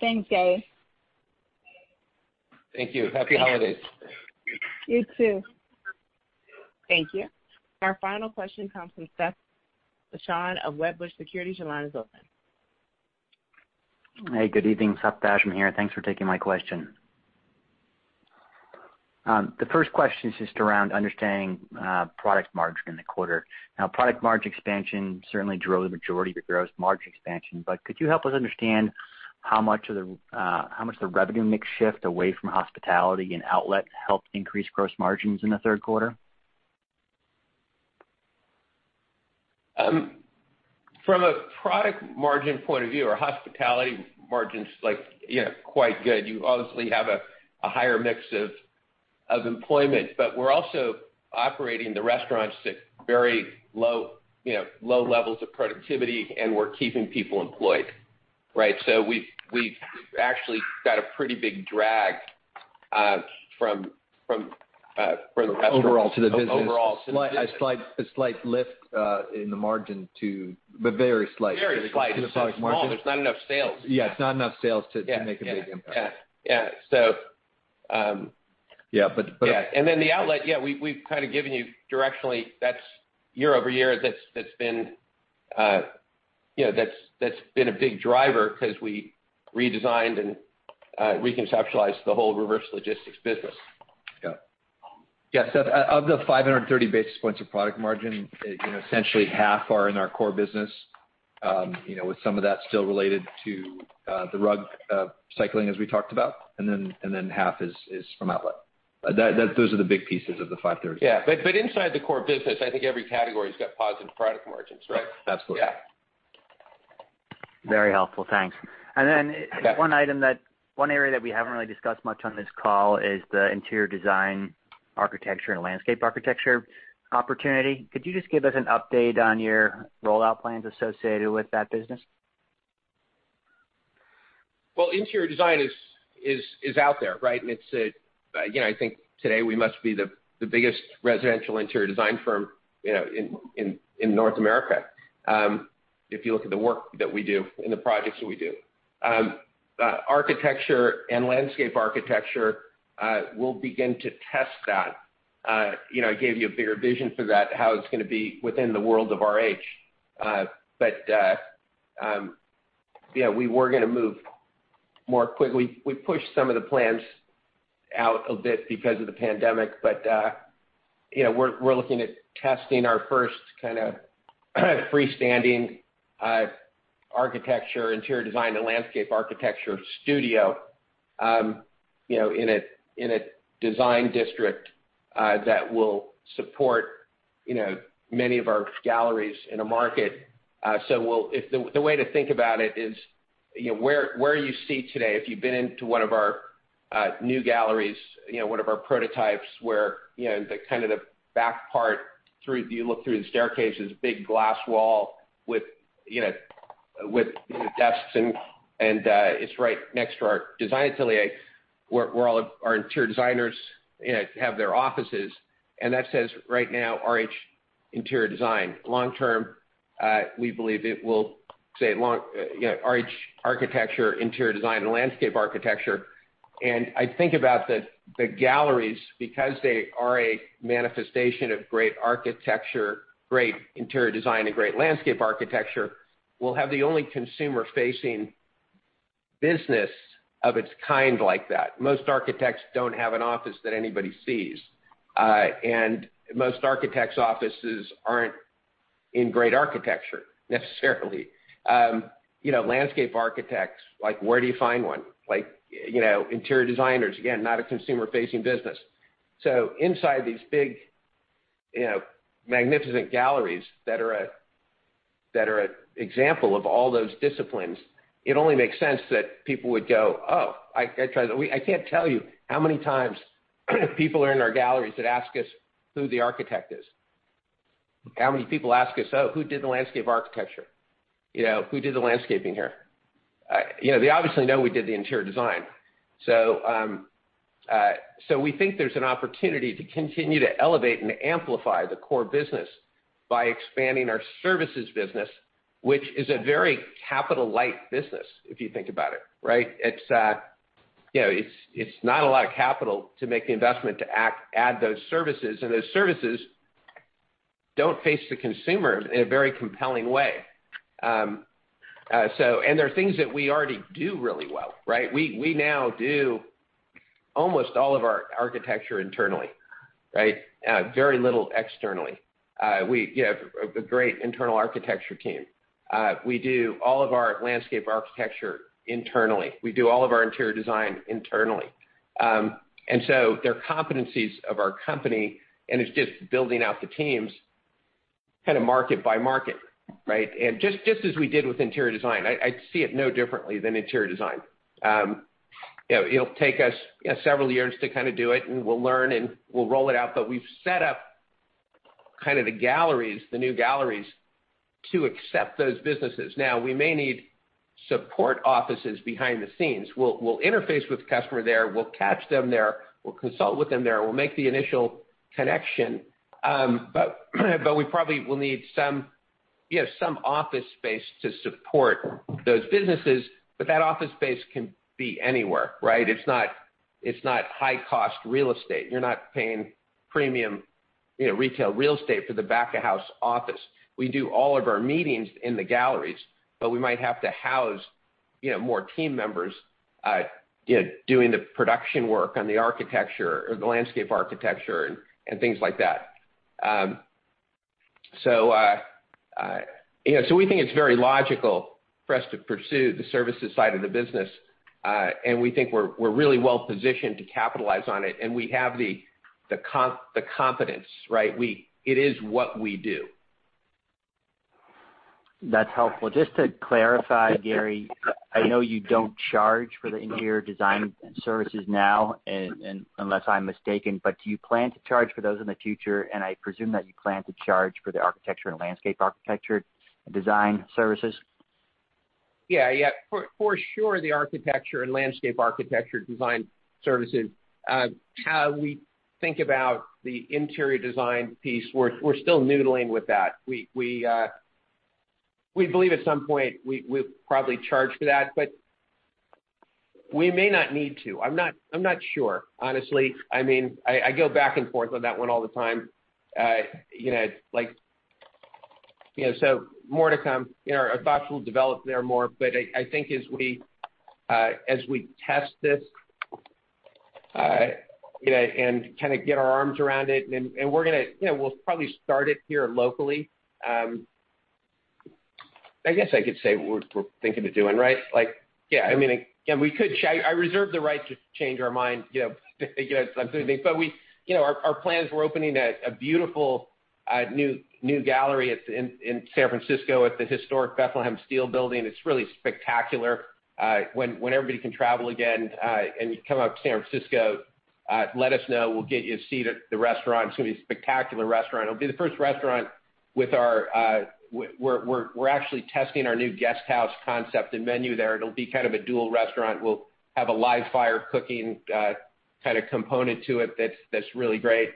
Thanks, Gary. Thank you. Happy holidays. You too. Thank you. Our final question comes from Seth Basham of Wedbush Securities. Your line is open. Hey, good evening. Seth Basham here. Thanks for taking my question. The first question is just around understanding product margin in the quarter. Product margin expansion certainly drove the majority of your gross margin expansion, but could you help us understand how much the revenue mix shift away from hospitality and outlet helped increase gross margins in the third quarter? From a product margin point of view, our hospitality margin's quite good. You obviously have a higher mix of employment. We're also operating the restaurants at very low levels of productivity, and we're keeping people employed, right? We've actually got a pretty big drag from the restaurant. Overall to the business- Overall to the business. a slight lift in the margin, but very slight. Very slight. It's small. to the product margin. There's not enough sales. Yeah, it's not enough sales to make a big impact. Yeah. Yeah. The outlet, we've kind of given you directionally, year-over-year, that's been a big driver because we redesigned and reconceptualized the whole reverse logistics business. Got it. Seth, of the 530 basis points of product margin, essentially half are in our core business, with some of that still related to the rug cycling, as we talked about, and then half is from outlet. Those are the big pieces of the 530. Yeah. Inside the core business, I think every category's got positive product margins, right? Absolutely. Yeah. Very helpful, thanks. You bet. One area that we haven't really discussed much on this call is the interior design, architecture, and landscape architecture opportunity. Could you just give us an update on your rollout plans associated with that business? Well, interior design is out there, right? I think today we must be the biggest residential interior design firm in North America, if you look at the work that we do and the projects that we do. Architecture and landscape architecture, we'll begin to test that. I gave you a bigger vision for that, how it's going to be within the world of RH. Yeah, we were going to move more quickly. We pushed some of the plans out a bit because of the pandemic, but we're looking at testing our first kind of freestanding architecture, interior design, and landscape architecture studio in a design district that will support many of our galleries in a market. The way to think about it is where you see today, if you've been into one of our new galleries, one of our prototypes where kind of the back part, you look through the staircase, there's a big glass wall with desks, and it's right next to our design atelier, where all of our interior designers have their offices, and that says right now, "RH Interior Design." Long term, we believe it will say, "RH Architecture, Interior Design, and Landscape Architecture." I think about the galleries, because they are a manifestation of great architecture, great interior design, and great landscape architecture, will have the only consumer-facing business of its kind like that. Most architects don't have an office that anybody sees. Most architects' offices aren't in great architecture necessarily. Landscape architects, where do you find one? Interior designers, again, not a consumer-facing business. Inside these big, magnificent galleries that are an example of all those disciplines, it only makes sense that people would go, "Oh." I can't tell you how many times people are in our galleries that ask us who the architect is. How many people ask us, "Oh, who did the landscape architecture? Who did the landscaping here?" They obviously know we did the Interior Design. We think there's an opportunity to continue to elevate and amplify the core business by expanding our services business, which is a very capital-light business, if you think about it, right? It's not a lot of capital to make the investment to add those services, and those services don't face the consumer in a very compelling way. They're things that we already do really well, right? We now do almost all of our architecture internally, right? Very little externally. We have a great internal architecture team. We do all of our landscape architecture internally. We do all of our interior design internally. They're competencies of our company, and it's just building out the teams kind of market by market, right? Just as we did with interior design. I see it no differently than interior design. It'll take us several years to kind of do it, and we'll learn, and we'll roll it out, but we've set up kind of the new galleries to accept those businesses. Now, we may need support offices behind the scenes. We'll interface with the customer there, we'll catch them there, we'll consult with them there, we'll make the initial connection. We probably will need some office space to support those businesses, but that office space can be anywhere, right? It's not high-cost real estate. You're not paying premium retail real estate for the back-of-house office. We do all of our meetings in the galleries, we might have to house more team members doing the production work on the architecture or the landscape architecture and things like that. We think it's very logical for us to pursue the services side of the business, and we think we're really well positioned to capitalize on it, and we have the competence, right? It is what we do. That's helpful. Just to clarify, Gary, I know you don't charge for the interior design services now, unless I'm mistaken, but do you plan to charge for those in the future? I presume that you plan to charge for the architecture and landscape architecture design services. Yeah. For sure, the architecture and landscape architecture design services. How we think about the interior design piece, we're still noodling with that. We believe at some point we'll probably charge for that, but we may not need to. I'm not sure, honestly. I go back and forth on that one all the time. More to come. Our thoughts will develop there more, but I think as we test this and kind of get our arms around it, and we'll probably start it here locally. I guess I could say what we're thinking of doing, right? I reserve the right to change our mind, but our plans, we're opening a beautiful new gallery in San Francisco at the historic Bethlehem Steel Building. It's really spectacular. When everybody can travel again and you come up to San Francisco. Let us know. We'll get you a seat at the restaurant. It's going to be a spectacular restaurant. It'll be the first restaurant. We're actually testing our new Guesthouse concept and menu there. It'll be kind of a dual restaurant. We'll have a live-fire cooking kind of component to it that's really great.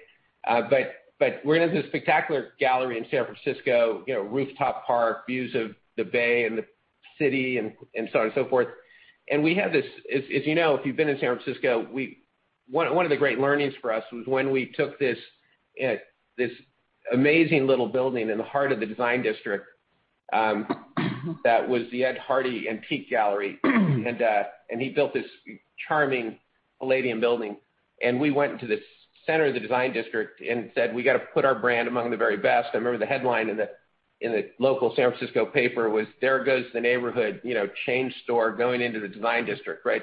We're going to have this spectacular gallery in San Francisco, rooftop park, views of the bay and the city, and so on and so forth. We have this, as you know, if you've been to San Francisco, one of the great learnings for us was when we took this amazing little building in the heart of the Design District that was the Ed Hardy Antiques gallery, and he built this charming Palladian building. We went into the center of the Design District and said, "We got to put our brand among the very best." I remember the headline in the local San Francisco paper was, "There goes the neighborhood. Chain store going into the Design District," right?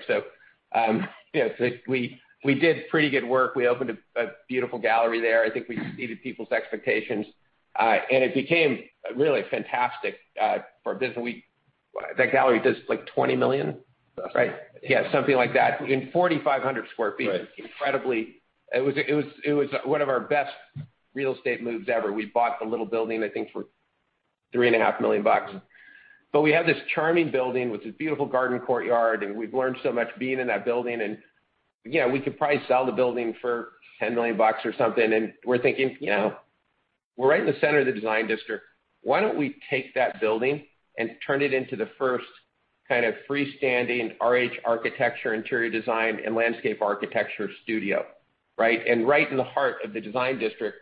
We did pretty good work. We opened a beautiful gallery there. I think we exceeded people's expectations. It became really fantastic for business. That gallery does like $20 million. Right. Yeah, something like that. In 4,500 sq ft. Right. Incredibly. It was one of our best real estate moves ever. We bought the little building, I think, for $3.5 Million. We have this charming building with this beautiful garden courtyard, and we've learned so much being in that building. We could probably sell the building for $10 million or something. We're thinking, we're right in the center of the Design District. Why don't we take that building and turn it into the first kind of freestanding RH architecture, interior design, and landscape architecture studio, right? Right in the heart of the Design District,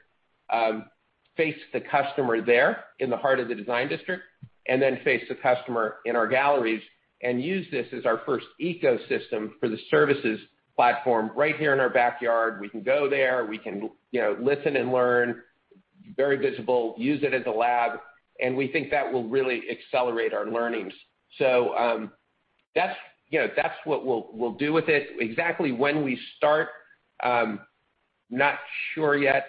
face the customer there in the heart of the Design District, then face the customer in our galleries, and use this as our first ecosystem for the services platform right here in our backyard. We can go there. We can listen and learn. Very visible, use it as a lab. We think that will really accelerate our learnings. That's what we'll do with it. Exactly when we start, not sure yet.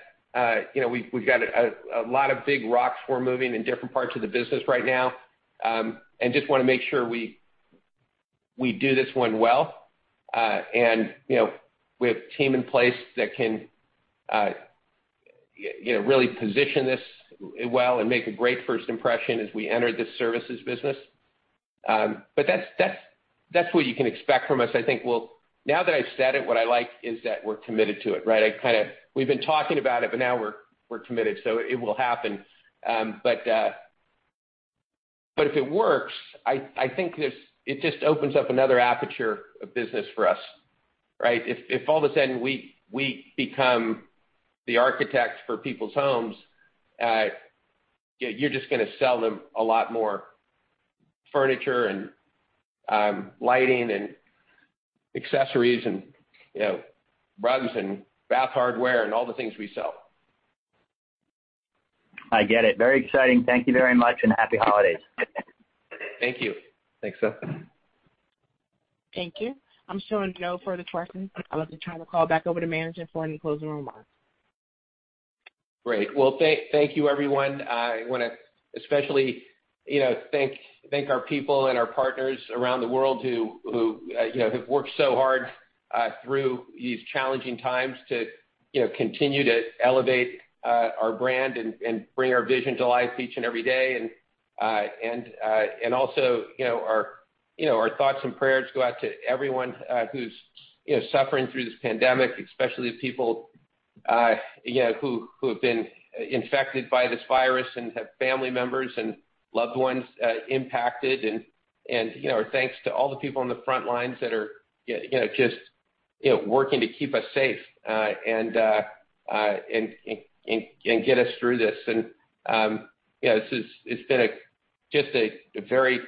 We've got a lot of big rocks we're moving in different parts of the business right now, and just want to make sure we do this one well. We have team in place that can really position this well and make a great first impression as we enter this services business. That's what you can expect from us. I think we'll Now that I've said it, what I like is that we're committed to it, right? We've been talking about it, but now we're committed, so it will happen. If it works, I think it just opens up another aperture of business for us, right? If all of a sudden we become the architect for people's homes, you're just going to sell them a lot more furniture and lighting and accessories and rugs and bath hardware and all the things we sell. I get it. Very exciting. Thank you very much, and happy holidays. Thank you. Thanks, Seth. Thank you. I'm showing no further questions. I would like to turn the call back over to management for any closing remarks. Great. Well, thank you everyone. I want to especially thank our people and our partners around the world who have worked so hard through these challenging times to continue to elevate our brand and bring our vision to life each and every day. Our thoughts and prayers go out to everyone who's suffering through this pandemic, especially the people who have been infected by this virus and have family members and loved ones impacted. Our thanks to all the people on the front lines that are just working to keep us safe and get us through this. It's been just very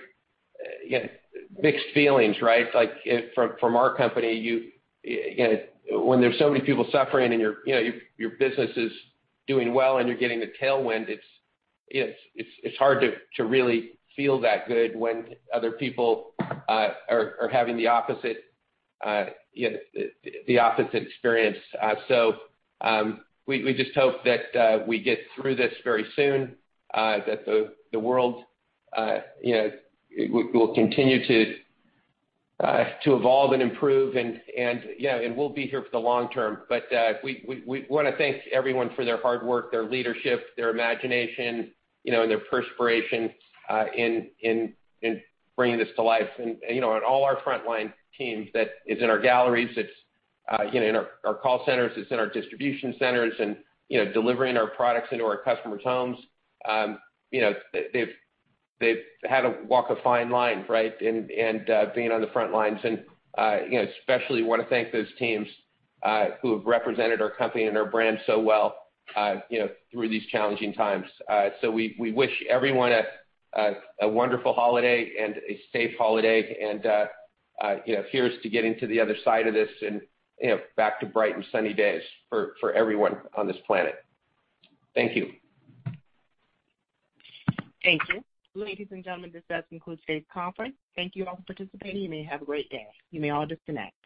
mixed feelings, right? From our company, when there's so many people suffering and your business is doing well and you're getting a tailwind, it's hard to really feel that good when other people are having the opposite experience. We just hope that we get through this very soon, that the world will continue to evolve and improve, and we'll be here for the long term. We want to thank everyone for their hard work, their leadership, their imagination, and their perspiration in bringing this to life. All our frontline teams that is in our galleries, it's in our call centers, it's in our distribution centers, and delivering our products into our customers' homes. They've had to walk a fine line, right, in being on the front lines. Especially want to thank those teams who have represented our company and our brand so well through these challenging times. We wish everyone a wonderful holiday and a safe holiday, and here's to getting to the other side of this and back to bright and sunny days for everyone on this planet. Thank you. Thank you. Ladies and gentlemen, this does conclude today's conference. Thank you all for participating. You may have a great day. You may all disconnect.